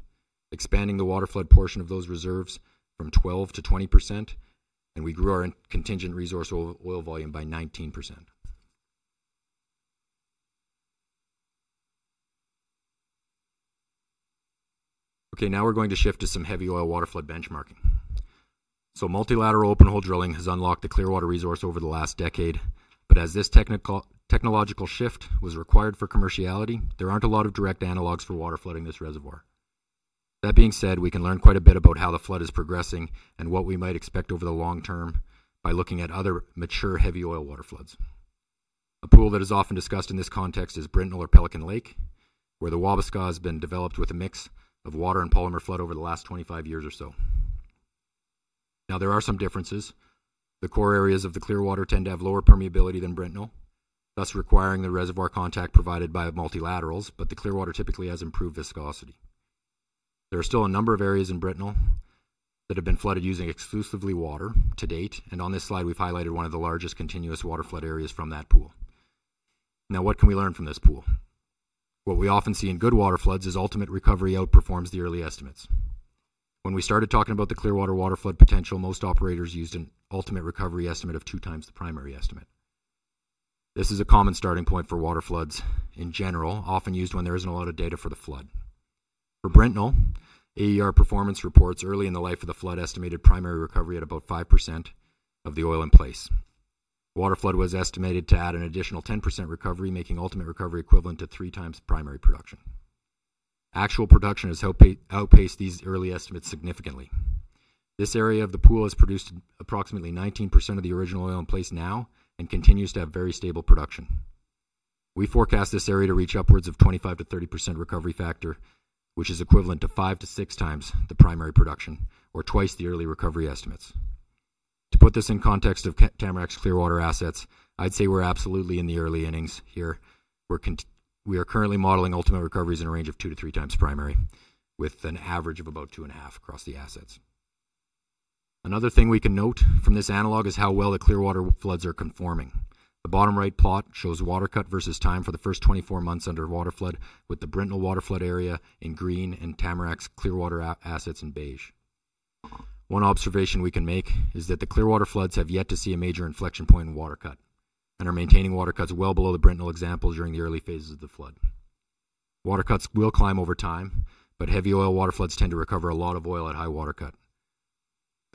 expanding the water flood portion of those reserves from 12% to 20%, and we grew our contingent resource oil volume by 19%. Okay, now we're going to shift to some heavy oil water flood benchmarking. Multilateral open hole drilling has unlocked the Clearwater resource over the last decade, but as this technological shift was required for commerciality, there aren't a lot of direct analogs for water flooding this reservoir. That being said, we can learn quite a bit about how the flood is progressing and what we might expect over the long term by looking at other mature heavy oil water floods. A pool that is often discussed in this context is Brintnell or Pelican Lake, where the Wabascas have been developed with a mix of water and polymer flood over the last 25 years or so. Now, there are some differences. The core areas of the Clearwater tend to have lower permeability than Brintnell, thus requiring the reservoir contact provided by multilaterals, but the Clearwater typically has improved viscosity. There are still a number of areas in Brintnell that have been flooded using exclusively water to date, and on this slide, we've highlighted one of the largest continuous water flood areas from that pool. Now, what can we learn from this pool? What we often see in good water floods is ultimate recovery outperforms the early estimates. When we started talking about the Clearwater water flood potential, most operators used an ultimate recovery estimate of two times the primary estimate. This is a common starting point for water floods in general, often used when there is not a lot of data for the flood. For Brintnell, AER performance reports early in the life of the flood estimated primary recovery at about 5% of the oil in place. Water flood was estimated to add an additional 10% recovery, making ultimate recovery equivalent to three times primary production. Actual production has outpaced these early estimates significantly. This area of the pool has produced approximately 19% of the original oil in place now and continues to have very stable production. We forecast this area to reach upwards of 25%-30% recovery factor, which is equivalent to five to six times the primary production or twice the early recovery estimates. To put this in context of Tamarack's Clearwater assets, I'd say we're absolutely in the early innings here. We are currently modeling ultimate recoveries in a range of two to three times primary with an average of about two and a half across the assets. Another thing we can note from this analog is how well the Clearwater floods are conforming. The bottom right plot shows water cut versus time for the first 24 months under water flood with the Brintnell water flood area in green and Tamarack's Clearwater assets in beige. One observation we can make is that the Clearwater floods have yet to see a major inflection point in water cut and are maintaining water cuts well below the Brintnell example during the early phases of the flood. Water cuts will climb over time, but heavy oil water floods tend to recover a lot of oil at high water cut.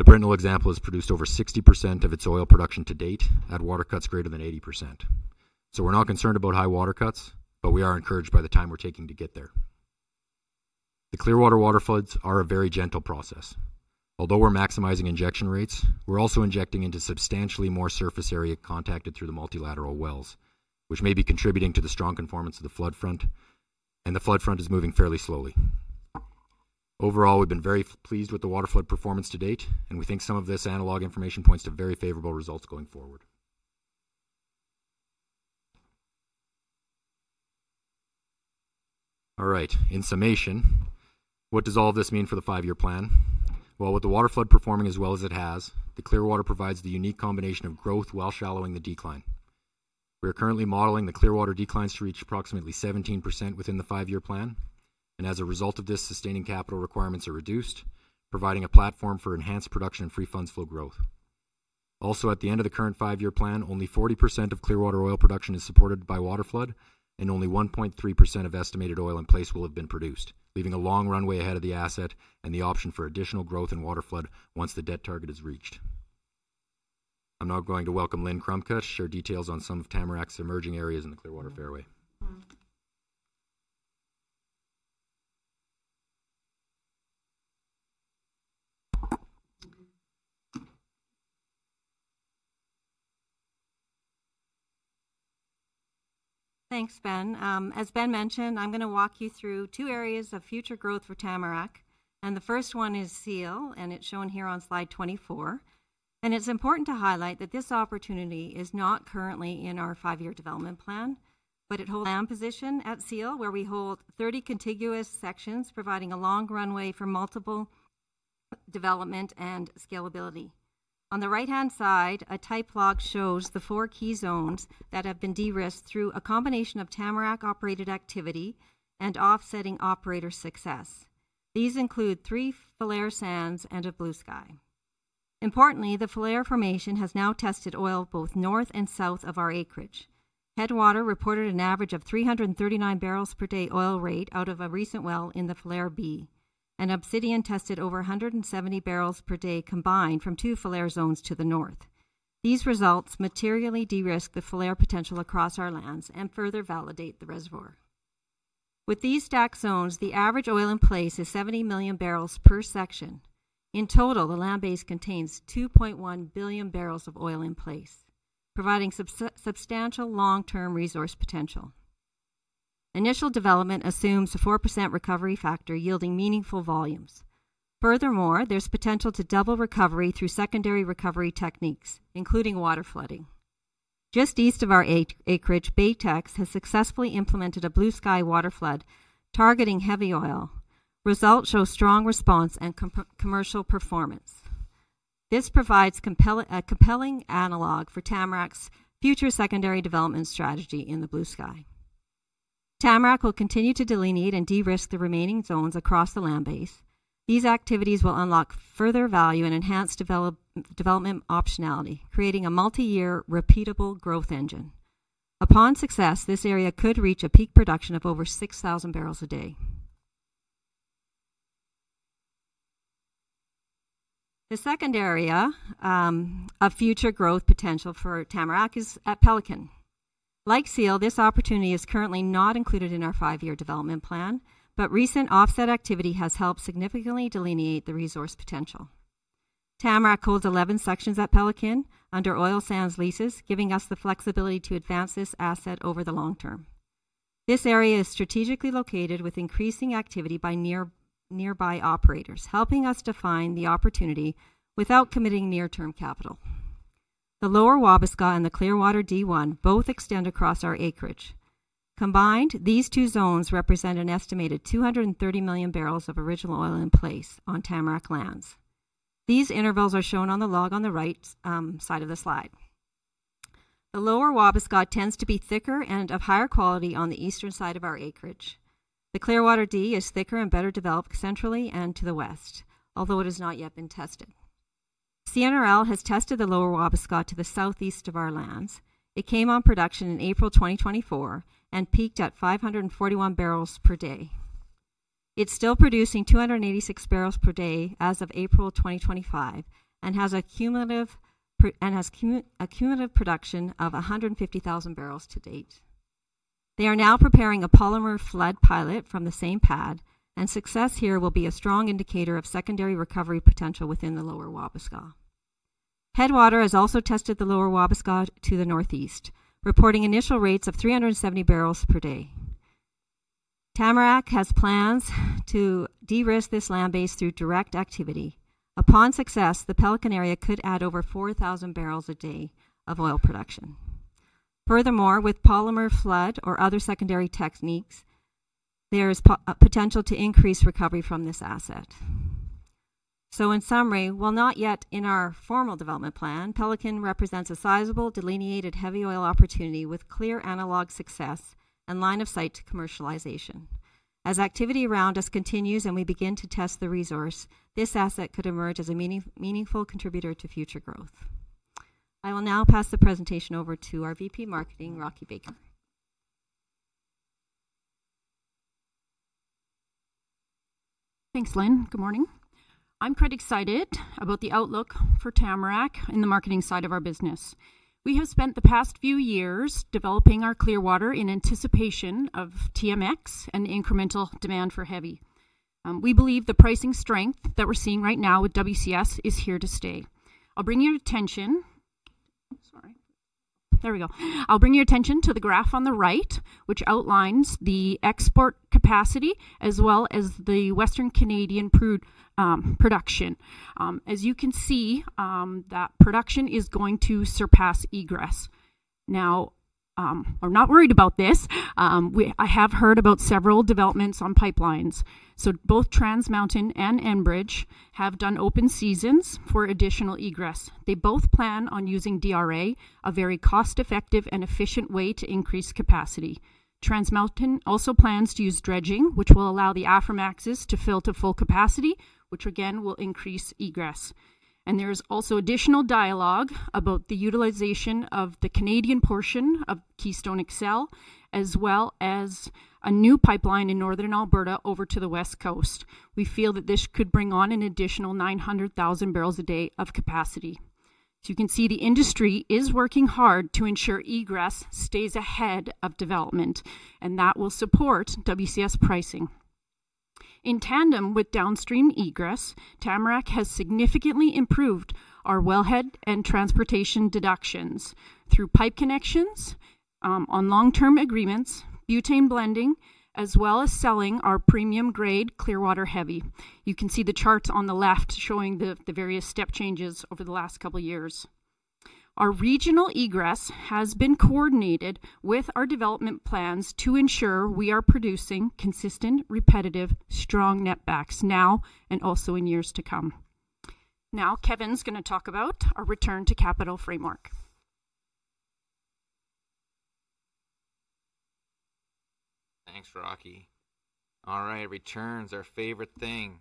The Brintnell example has produced over 60% of its oil production to date at water cuts greater than 80%. We are not concerned about high water cuts, but we are encouraged by the time we are taking to get there. The Clearwater water floods are a very gentle process. Although we are maximizing injection rates, we are also injecting into substantially more surface area contacted through the multilateral wells, which may be contributing to the strong conformance of the flood front, and the flood front is moving fairly slowly. Overall, we've been very pleased with the water flood performance to date, and we think some of this analog information points to very favorable results going forward. All right, in summation, what does all of this mean for the five-year plan? With the water flood performing as well as it has, the Clearwater provides the unique combination of growth while shallowing the decline. We are currently modeling the Clearwater declines to reach approximately 17% within the five-year plan, and as a result of this, sustaining capital requirements are reduced, providing a platform for enhanced production and free funds flow growth. Also, at the end of the current five-year plan, only 40% of Clearwater oil production is supported by water flood, and only 1.3% of estimated oil in place will have been produced, leaving a long runway ahead of the asset and the option for additional growth in water flood once the debt target is reached. I'm now going to welcome Lynne Chrumka to share details on some of Tamarack's emerging areas in the Clearwater fairway. Thanks, Ben. As Ben mentioned, I'm going to walk you through two areas of future growth for Tamarack, and the first one is Seal, and it's shown here on slide 24. It's important to highlight that this opportunity is not currently in our five-year development plan, but it holds a position at Seal where we hold 30 contiguous sections providing a long runway for multiple development and scalability. On the right-hand side, a type log shows the four key zones that have been de-risked through a combination of Tamarack-operated activity and offsetting operator success. These include three Flair sands and a Blue Sky. Importantly, the Flair formation has now tested oil both north and south of our acreage. Headwater reported an average of 339 barrels per day oil rate out of a recent well in the Flair B, and Obsidian tested over 170 barrels per day combined from two Flair zones to the north. These results materially de-risk the Flair potential across our lands and further validate the reservoir. With these stacked zones, the average oil in place is 70 million barrels per section. In total, the land base contains 2.1 billion barrels of oil in place, providing substantial long-term resource potential. Initial development assumes a 4% recovery factor yielding meaningful volumes. Furthermore, there's potential to double recovery through secondary recovery techniques, including water flooding. Just east of our acreage, Baytex has successfully implemented a Blue Sky water flood targeting heavy oil. Results show strong response and commercial performance. This provides a compelling analog for Tamarack's future secondary development strategy in the Blue Sky. Tamarack will continue to delineate and de-risk the remaining zones across the land bas`e. These activities will unlock further value and enhance development optionality, creating a multi-year repeatable growth engine. Upon success, this area could reach a peak production of over 6,000 barrels a day. The second area of future growth potential for Tamarack is at Pelican. Like Seal, this opportunity is currently not included in our five-year development plan, but recent offset activity has helped significantly delineate the resource potential. Tamarack holds 11 sections at Pelican under oil sands leases, giving us the flexibility to advance this asset over the long term. This area is strategically located with increasing activity by nearby operators, helping us define the opportunity without committing near-term capital. The lower Wabascas and the Clearwater D1 both extend across our acreage. Combined, these two zones represent an estimated 230 million barrels of original oil in place on Tamarack lands. These intervals are shown on the log on the right side of the slide. The lower Wabascas tends to be thicker and of higher quality on the eastern side of our acreage. The Clearwater D is thicker and better developed centrally and to the west, although it has not yet been tested. Canadian Natural Resources Limited has tested the lower Wabascas to the southeast of our lands. It came on production in April 2024 and peaked at 541 barrels per day. It's still producing 286 barrels per day as of April 2025 and has a cumulative production of 150,000 barrels to date. They are now preparing a polymer flood pilot from the same pad, and success here will be a strong indicator of secondary recovery potential within the lower Wabascas. Headwater has also tested the lower Wabascas to the northeast, reporting initial rates of 370 barrels per day. Tamarack has plans to de-risk this land base through direct activity. Upon success, the Pelican area could add over 4,000 barrels a day of oil production. Furthermore, with polymer flood or other secondary techniques, there is potential to increase recovery from this asset. In summary, while not yet in our formal development plan, Pelican represents a sizable delineated heavy oil opportunity with clear analog success and line of sight to commercialization. As activity around us continues and we begin to test the resource, this asset could emerge as a meaningful contributor to future growth. I will now pass the presentation over to our VP Marketing, Rocky Baker. Thanks, Lynne. Good morning. I'm quite excited about the outlook for Tamarack in the marketing side of our business. We have spent the past few years developing our Clearwater in anticipation of TMX and incremental demand for heavy. We believe the pricing strength that we're seeing right now with WCS is here to stay. I'll bring your attention—sorry. There we go. I'll bring your attention to the graph on the right, which outlines the export capacity as well as the Western Canadian crude production. As you can see, that production is going to surpass egress. Now, I'm not worried about this. I have heard about several developments on pipelines. Both Trans Mountain and Enbridge have done open seasons for additional egress. They both plan on using DRA, a very cost-effective and efficient way to increase capacity. Trans Mountain also plans to use dredging, which will allow the Aframaxes to fill to full capacity, which again will increase egress. There is also additional dialogue about the utilization of the Canadian portion of Keystone XL, as well as a new pipeline in northern Alberta over to the west coast. We feel that this could bring on an additional 900,000 barrels a day of capacity. You can see the industry is working hard to ensure egress stays ahead of development, and that will support WCS pricing. In tandem with downstream egress, Tamarack has significantly improved our wellhead and transportation deductions through pipe connections on long-term agreements, butane blending, as well as selling our premium-grade Clearwater heavy. You can see the charts on the left showing the various step changes over the last couple of years. Our regional egress has been coordinated with our development plans to ensure we are producing consistent, repetitive, strong netbacks now and also in years to come. Now, Kevin's going to talk about our return to capital framework. Thanks, Rocky. All right, returns, our favorite thing.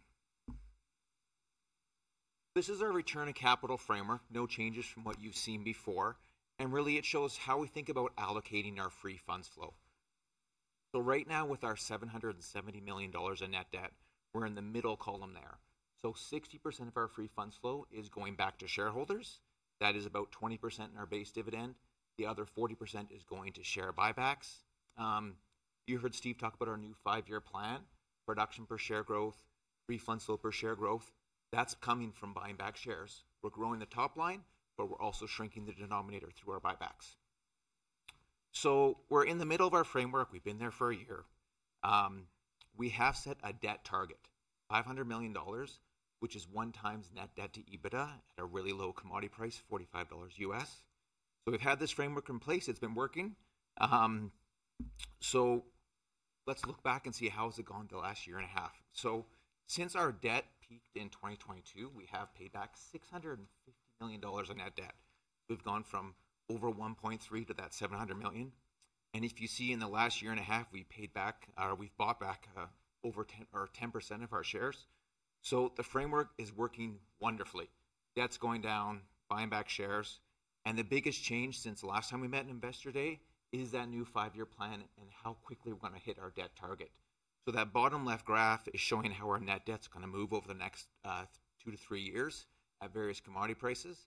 This is our return to capital framework, no changes from what you've seen before. And really, it shows how we think about allocating our free funds flow. So right now, with our 770 million dollars in net debt, we're in the middle column there. So 60% of our free funds flow is going back to shareholders. That is about 20% in our base dividend. The other 40% is going to share buybacks. You heard Steve talk about our new five-year plan, production per share growth, free funds flow per share growth. That is coming from buying back shares. We are growing the top line, but we are also shrinking the denominator through our buybacks. We are in the middle of our framework. We have been there for a year. We have set a debt target, 500 million dollars, which is one times net debt to EBITDA at a really low commodity price, $45 U.S. We have had this framework in place. It has been working. Let us look back and see how has it gone the last year and a half. Since our debt peaked in 2022, we have paid back 650 million dollars in net debt. We have gone from over 1.3 billion to that 700 million. In the last year and a half, we have bought back over 10% of our shares. The framework is working wonderfully. Debt's going down, buying back shares. The biggest change since last time we met on Investor Day is that new five-year plan and how quickly we're going to hit our debt target. That bottom left graph is showing how our net debt's going to move over the next two to three years at various commodity prices.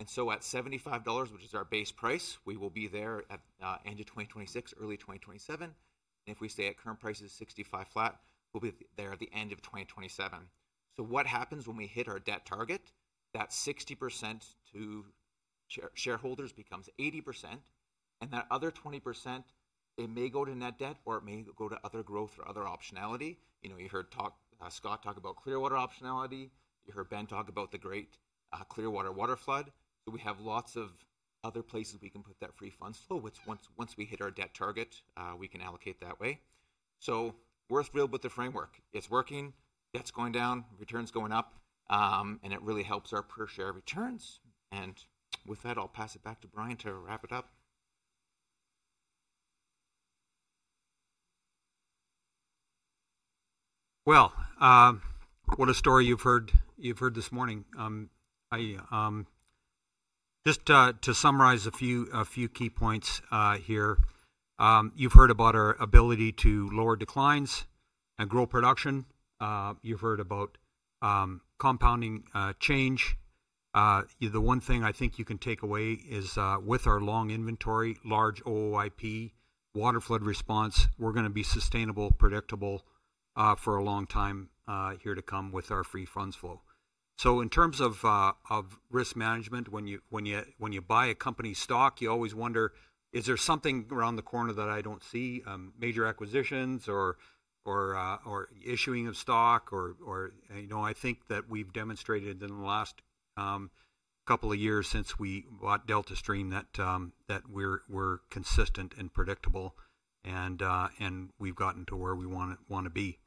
At $75, which is our base price, we will be there at the end of 2026, early 2027. If we stay at current prices, $65 flat, we'll be there at the end of 2027. What happens when we hit our debt target? That 60% to shareholders becomes 80%. That other 20%, it may go to net debt or it may go to other growth or other optionality. You heard Scott talk about Clearwater optionality. You heard Ben talk about the great Clearwater water flood. We have lots of other places we can put that free funds flow. Once we hit our debt target, we can allocate that way. We are thrilled with the framework. It is working. Debt is going down, returns are going up, and it really helps our per share returns. With that, I will pass it back to Brian to wrap it up. What a story you have heard this morning. Just to summarize a few key points here, you have heard about our ability to lower declines and grow production. You have heard about compounding change. The one thing I think you can take away is with our long inventory, large OOIP, water flood response, we are going to be sustainable, predictable for a long time here to come with our free funds flow. In terms of risk management, when you buy a company's stock, you always wonder, is there something around the corner that I do not see? Major acquisitions or issuing of stock? I think that we have demonstrated in the last couple of years since we bought DeltaStream that we are consistent and predictable, and we have gotten to where we want to be.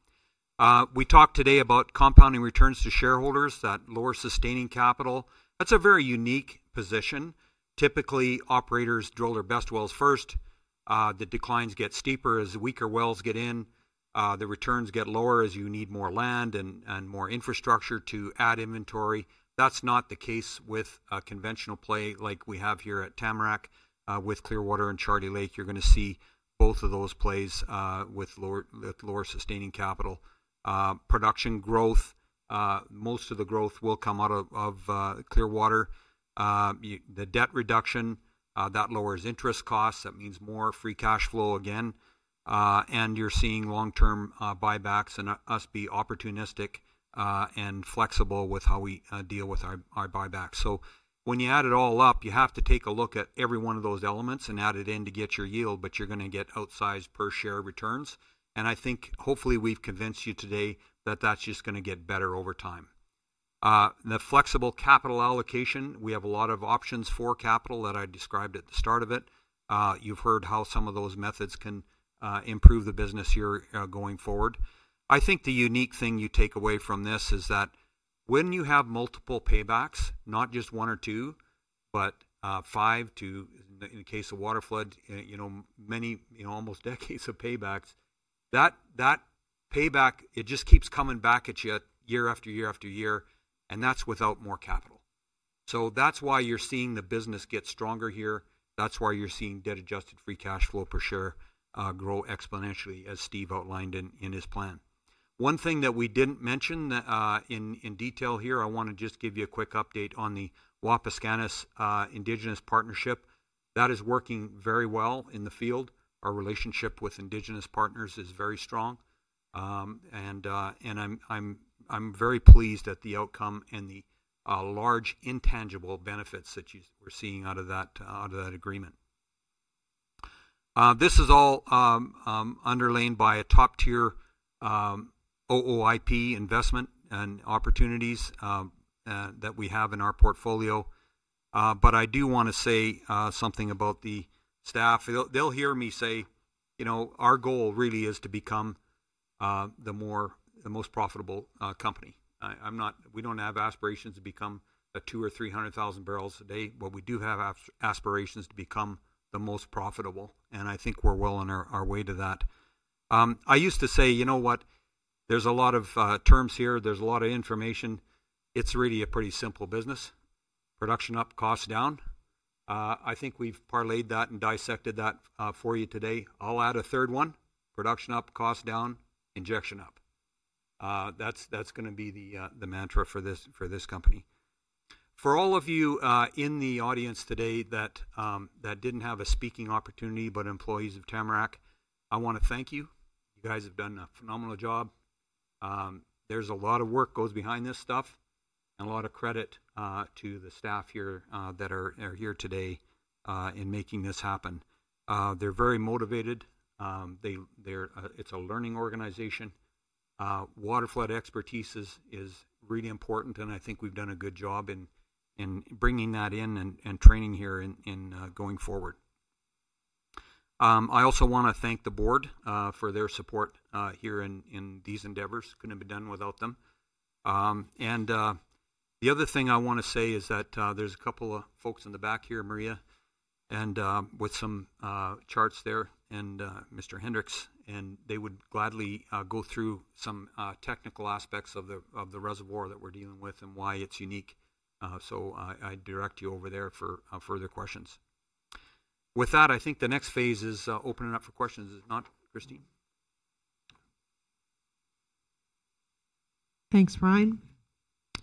We talked today about compounding returns to shareholders, that lower sustaining capital. That is a very unique position. Typically, operators drill their best wells first. The declines get steeper as weaker wells get in. The returns get lower as you need more land and more infrastructure to add inventory. That is not the case with a conventional play like we have here at Tamarack with Clearwater and Charlie Lake. You are going to see both of those plays with lower sustaining capital. Production growth, most of the growth will come out of Clearwater. The debt reduction, that lowers interest costs. That means more free cash flow, again. You are seeing long-term buybacks and us be opportunistic and flexible with how we deal with our buybacks. When you add it all up, you have to take a look at every one of those elements and add it in to get your yield, but you are going to get outsized per share returns. I think, hopefully, we have convinced you today that that is just going to get better over time. The flexible capital allocation, we have a lot of options for capital that I described at the start of it. You have heard how some of those methods can improve the business here going forward. I think the unique thing you take away from this is that when you have multiple paybacks, not just one or two, but five to, in the case of water flood, many almost decades of paybacks, that payback, it just keeps coming back at you year after year after year, and that is without more capital. That is why you are seeing the business get stronger here. That is why you are seeing debt-adjusted free cash flow per share grow exponentially, as Steve outlined in his plan. One thing that we did not mention in detail here, I want to just give you a quick update on the Wabascans Indigenous Partnership. That is working very well in the field. Our relationship with Indigenous partners is very strong. I am very pleased at the outcome and the large intangible benefits that we are seeing out of that agreement. This is all underlain by a top-tier OOIP investment and opportunities that we have in our portfolio. I do want to say something about the staff. They'll hear me say our goal really is to become the most profitable company. We don't have aspirations to become a 200,000 or 300,000 barrels a day, but we do have aspirations to become the most profitable. I think we're well on our way to that. I used to say, you know what? There's a lot of terms here. There's a lot of information. It's really a pretty simple business. Production up, cost down. I think we've parlayed that and dissected that for you today. I'll add a third one. Production up, cost down, injection up. That's going to be the mantra for this company. For all of you in the audience today that did not have a speaking opportunity but employees of Tamarack, I want to thank you. You guys have done a phenomenal job. There is a lot of work that goes behind this stuff and a lot of credit to the staff here that are here today in making this happen. They are very motivated. It is a learning organization. Water flood expertise is really important, and I think we have done a good job in bringing that in and training here going forward. I also want to thank the board for their support here in these endeavors. Could not have been done without them. The other thing I want to say is that there is a couple of folks in the back here, Maria and with some charts there and Mr. Hendricks, and they would gladly go through some technical aspects of the reservoir that we're dealing with and why it's unique. I direct you over there for further questions. With that, I think the next phase is opening up for questions. Is it not, Christine? Thanks, Ryan.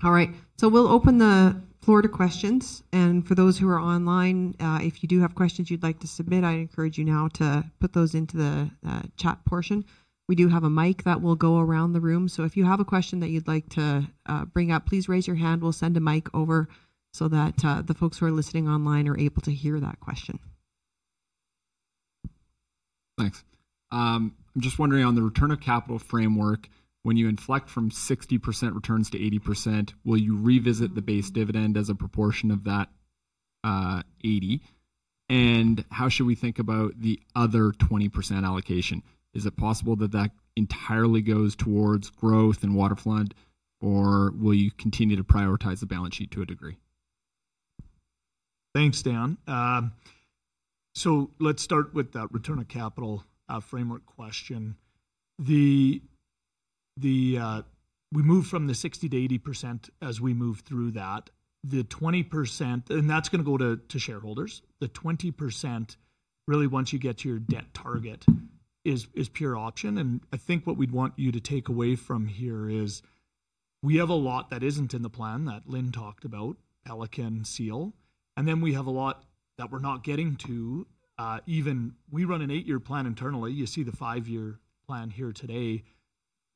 All right. We'll open the floor to questions. For those who are online, if you do have questions you'd like to submit, I encourage you now to put those into the chat portion. We do have a mic that will go around the room. If you have a question that you'd like to bring up, please raise your hand. We'll send a mic over so that the folks who are listening online are able to hear that question. Thanks. I'm just wondering on the return of capital framework, when you inflect from 60% returns to 80%, will you revisit the base dividend as a proportion of that 80%? And how should we think about the other 20% allocation? Is it possible that that entirely goes towards growth and water flood, or will you continue to prioritize the balance sheet to a degree? Thanks, Dan. Let's start with that return of capital framework question. We move from the 60% to 80% as we move through that. The 20%, and that's going to go to shareholders. The 20%, really, once you get to your debt target, is pure option. I think what we'd want you to take away from here is we have a lot that isn't in the plan that Lynne talked about, Ellicott and Seal. We have a lot that we're not getting to. Even we run an eight-year plan internally. You see the five-year plan here today.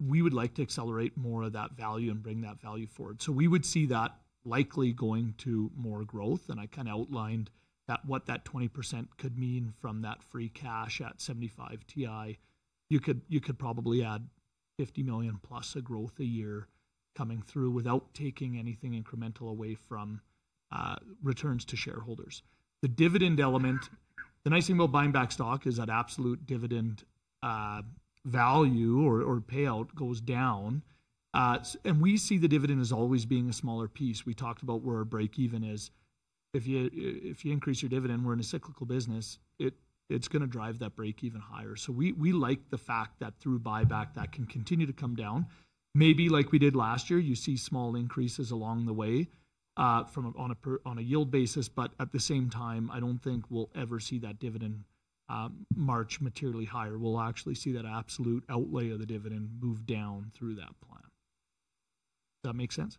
We would like to accelerate more of that value and bring that value forward. We would see that likely going to more growth. I kind of outlined what that 20% could mean from that free cash at 75 WTI. You could probably add 50 million plus of growth a year coming through without taking anything incremental away from returns to shareholders. The dividend element, the nice thing about buying back stock is that absolute dividend value or payout goes down. We see the dividend as always being a smaller piece. We talked about where our break-even is. If you increase your dividend, we are in a cyclical business, it is going to drive that break-even higher. We like the fact that through buyback, that can continue to come down. Maybe like we did last year, you see small increases along the way on a yield basis. At the same time, I do not think we will ever see that dividend march materially higher. We will actually see that absolute outlay of the dividend move down through that plan. Does that make sense?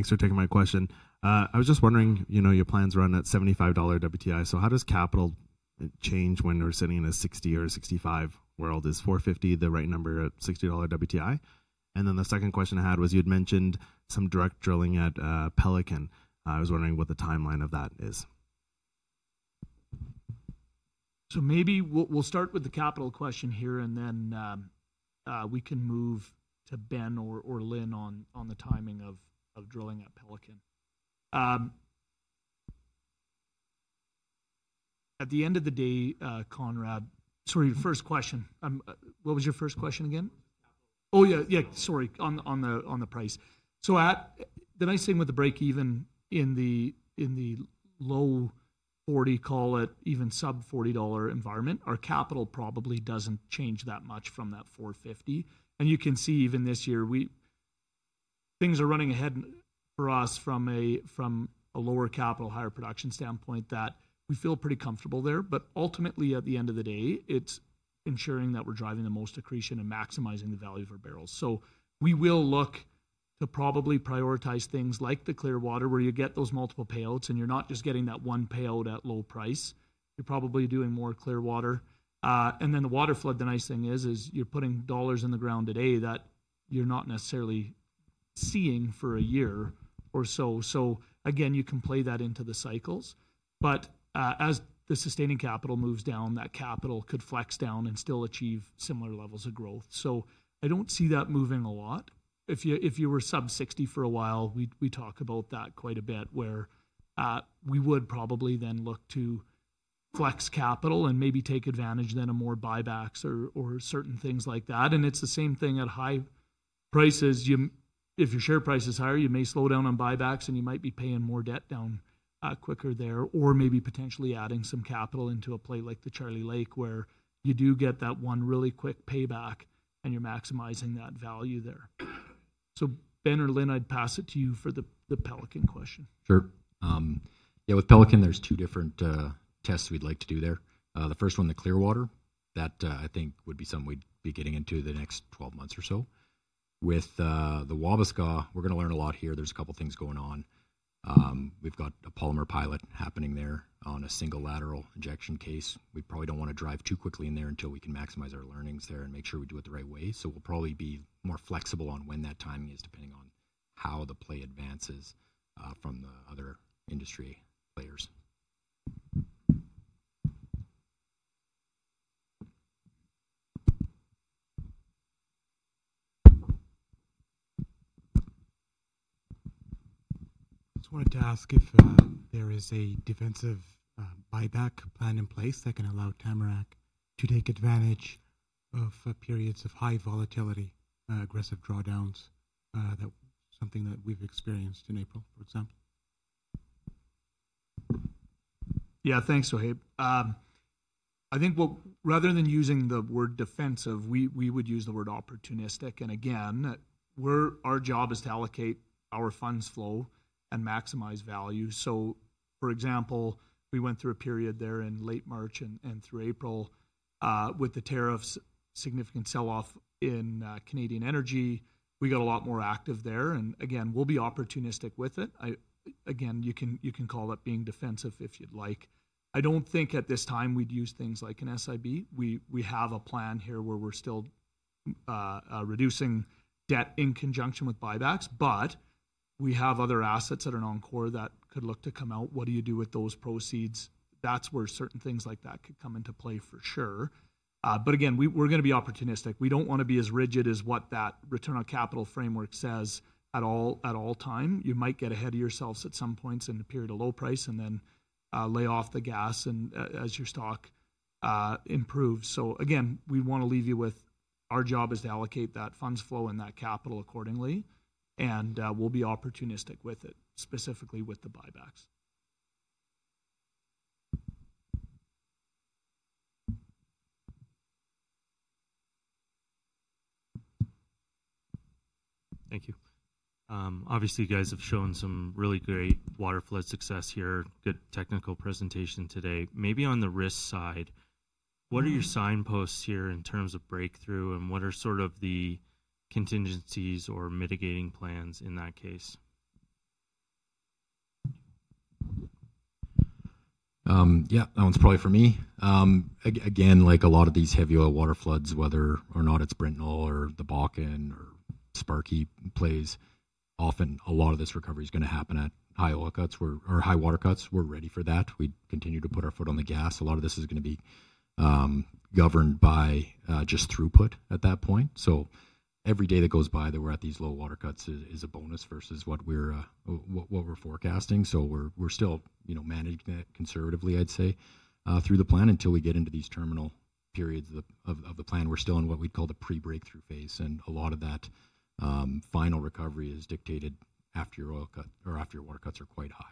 Thanks for taking my question. I was just wondering, your plans run at 75 dollar WTI. How does capital change when we are sitting in a 60 or 65 world? Is 450 million the right number at 60 dollar WTI? The second question I had was you had mentioned some direct drilling at Pelican. I was wondering what the timeline of that is. Maybe we will start with the capital question here, and then we can move to Ben or Lynne on the timing of drilling at Pelican. At the end of the day, Conrad, sorry, your first question. What was your first question again? Oh, yeah, yeah. Sorry, on the price. The nice thing with the break-even in the low 40, call it even sub- 40 dollar environment, our capital probably does not change that much from that 450 million. You can see even this year, things are running ahead for us from a lower capital, higher production standpoint that we feel pretty comfortable there. Ultimately, at the end of the day, it is ensuring that we are driving the most accretion and maximizing the value of our barrels. We will look to probably prioritize things like the Clearwater where you get those multiple payouts, and you are not just getting that one payout at low price. You are probably doing more Clearwater. The water flood, the nice thing is, you are putting dollars in the ground today that you are not necessarily seeing for a year or so. Again, you can play that into the cycles. As the sustaining capital moves down, that capital could flex down and still achieve similar levels of growth. I do not see that moving a lot. If you were sub-CAD 60 for a while, we talk about that quite a bit where we would probably then look to flex capital and maybe take advantage then of more buybacks or certain things like that. It is the same thing at high prices. If your share price is higher, you may slow down on buybacks, and you might be paying more debt down quicker there or maybe potentially adding some capital into a play like the Charlie Lake where you do get that one really quick payback and you are maximizing that value there. Ben or Lynne, I would pass it to you for the Pelican question. Sure. Yeah, with Pelican, there's two different tests we'd like to do there. The first one, the Clearwater, that I think would be something we'd be getting into the next 12 months or so. With the Wabascas, we're going to learn a lot here. There's a couple of things going on. We've got a polymer pilot happening there on a single lateral injection case. We probably don't want to drive too quickly in there until we can maximize our learnings there and make sure we do it the right way. We will probably be more flexible on when that timing is depending on how the play advances from the other industry players. I just wanted to ask if there is a defensive buyback plan in place that can allow Tamarack to take advantage of periods of high volatility, aggressive drawdowns, something that we've experienced in April, for example. Yeah, thanks, Wahib. I think rather than using the word defensive, we would use the word opportunistic. Again, our job is to allocate our funds flow and maximize value. For example, we went through a period there in late March and through April with the tariffs, significant sell-off in Canadian energy. We got a lot more active there. Again, we'll be opportunistic with it. You can call that being defensive if you'd like. I do not think at this time we'd use things like an SIB. We have a plan here where we're still reducing debt in conjunction with buybacks, but we have other assets that are non-core that could look to come out. What do you do with those proceeds? That is where certain things like that could come into play for sure. Again, we're going to be opportunistic. We do not want to be as rigid as what that return of capital framework says at all times. You might get ahead of yourselves at some points in the period of low price and then lay off the gas as your stock improves. Again, we want to leave you with our job is to allocate that funds flow and that capital accordingly. We will be opportunistic with it, specifically with the buybacks. Thank you. Obviously, you guys have shown some really great water flood success here, good technical presentation today. Maybe on the risk side, what are your signposts here in terms of breakthrough and what are sort of the contingencies or mitigating plans in that case? Yeah, that one is probably for me. Again, like a lot of these heavier water floods, whether or not it's Brintnell or the Bakken or Sparky plays, often a lot of this recovery is going to happen at high water cuts or high water cuts. We're ready for that. We continue to put our foot on the gas. A lot of this is going to be governed by just throughput at that point. Every day that goes by that we're at these low water cuts is a bonus versus what we're forecasting. We're still managing it conservatively, I'd say, through the plan until we get into these terminal periods of the plan. We're still in what we'd call the pre-breakthrough phase. A lot of that final recovery is dictated after your water cuts are quite high.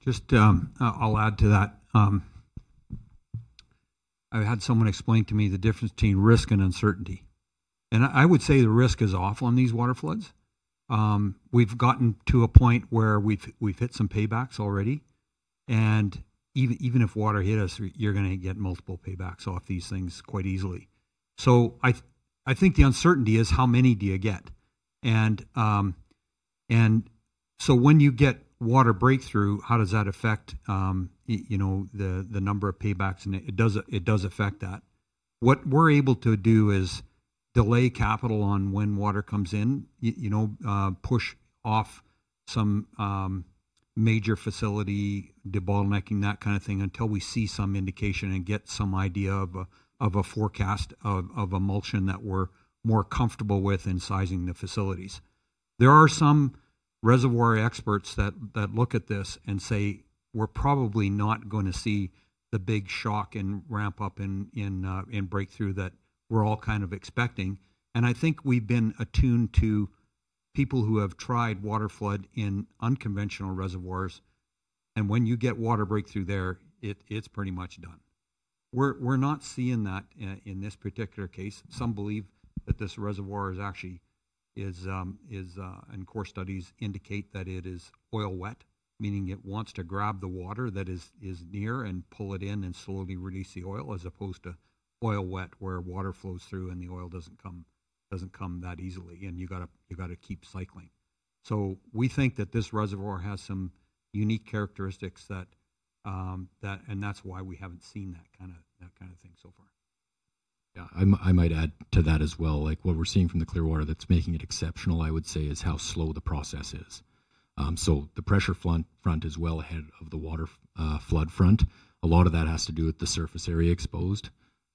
Just I'll add to that. I had someone explain to me the difference between risk and uncertainty. I would say the risk is off on these water floods. We've gotten to a point where we've hit some paybacks already. Even if water hit us, you're going to get multiple paybacks off these things quite easily. I think the uncertainty is how many do you get. When you get water breakthrough, how does that affect the number of paybacks? It does affect that. What we're able to do is delay capital on when water comes in, push off some major facility de-bottlenecking, that kind of thing, until we see some indication and get some idea of a forecast of a mulching that we're more comfortable with in sizing the facilities. There are some reservoir experts that look at this and say, "We're probably not going to see the big shock and ramp up and breakthrough that we're all kind of expecting." I think we've been attuned to people who have tried water flood in unconventional reservoirs. When you get water breakthrough there, it's pretty much done. We're not seeing that in this particular case. Some believe that this reservoir is actually, and core studies indicate that it is oil wet, meaning it wants to grab the water that is near and pull it in and slowly release the oil as opposed to water wet where water flows through and the oil doesn't come that easily. You got to keep cycling. We think that this reservoir has some unique characteristics, and that's why we haven't seen that kind of thing so far. Yeah, I might add to that as well. What we're seeing from the Clearwater that's making it exceptional, I would say, is how slow the process is. The pressure front is well ahead of the water flood front. A lot of that has to do with the surface area exposed.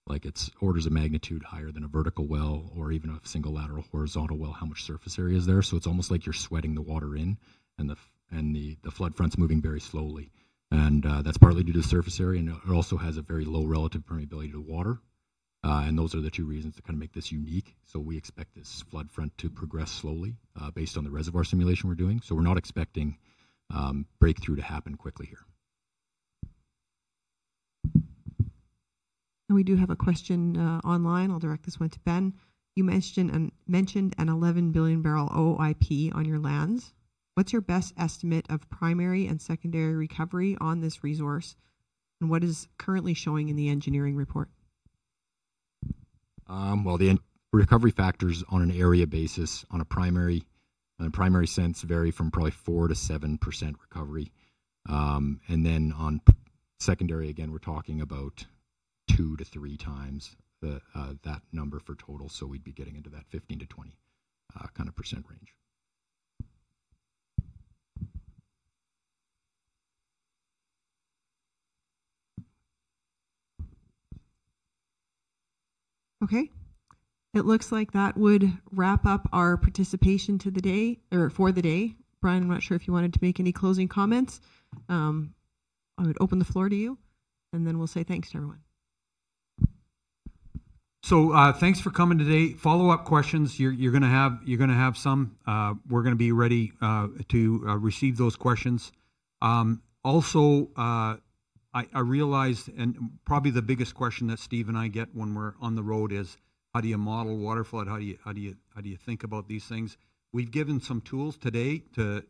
It's orders of magnitude higher than a vertical well or even a single lateral horizontal well, how much surface area is there. It's almost like you're sweating the water in, and the flood front's moving very slowly. That is partly due to the surface area. It also has a very low relative permeability to water. Those are the two reasons that kind of make this unique. We expect this flood front to progress slowly based on the reservoir simulation we're doing. We're not expecting breakthrough to happen quickly here. We do have a question online. I'll direct this one to Ben. You mentioned an 11 billion barrel OIP on your lands. What's your best estimate of primary and secondary recovery on this resource? What is currently showing in the engineering report? The recovery factors on an area basis on a primary sense vary from probably 4-7% recovery. On secondary, again, we're talking about 2-3 times that number for total. We'd be getting into that 15-20% kind of range. Okay. It looks like that would wrap up our participation for the day. Brian, I'm not sure if you wanted to make any closing comments. I would open the floor to you, and then we'll say thanks to everyone. Thanks for coming today. Follow-up questions, you're going to have some. We're going to be ready to receive those questions. Also, I realized, and probably the biggest question that Steve and I get when we're on the road is, how do you model water flood? How do you think about these things? We've given some tools today to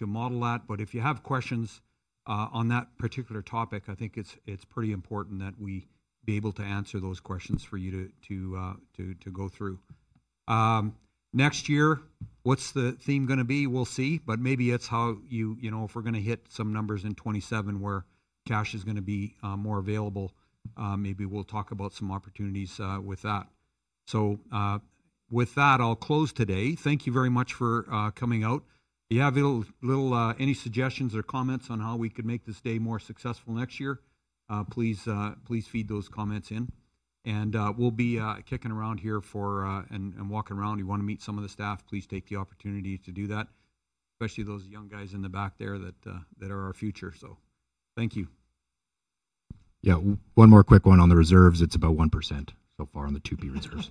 model that. If you have questions on that particular topic, I think it's pretty important that we be able to answer those questions for you to go through. Next year, what's the theme going to be? We'll see. Maybe it's how if we're going to hit some numbers in 2027 where cash is going to be more available, maybe we'll talk about some opportunities with that. With that, I'll close today. Thank you very much for coming out. If you have any suggestions or comments on how we could make this day more successful next year, please feed those comments in. We will be kicking around here and walking around. If you want to meet some of the staff, please take the opportunity to do that, especially those young guys in the back there that are our future. Thank you. Yeah, one more quick one on the reserves. It is about 1% so far on the 2P reserves.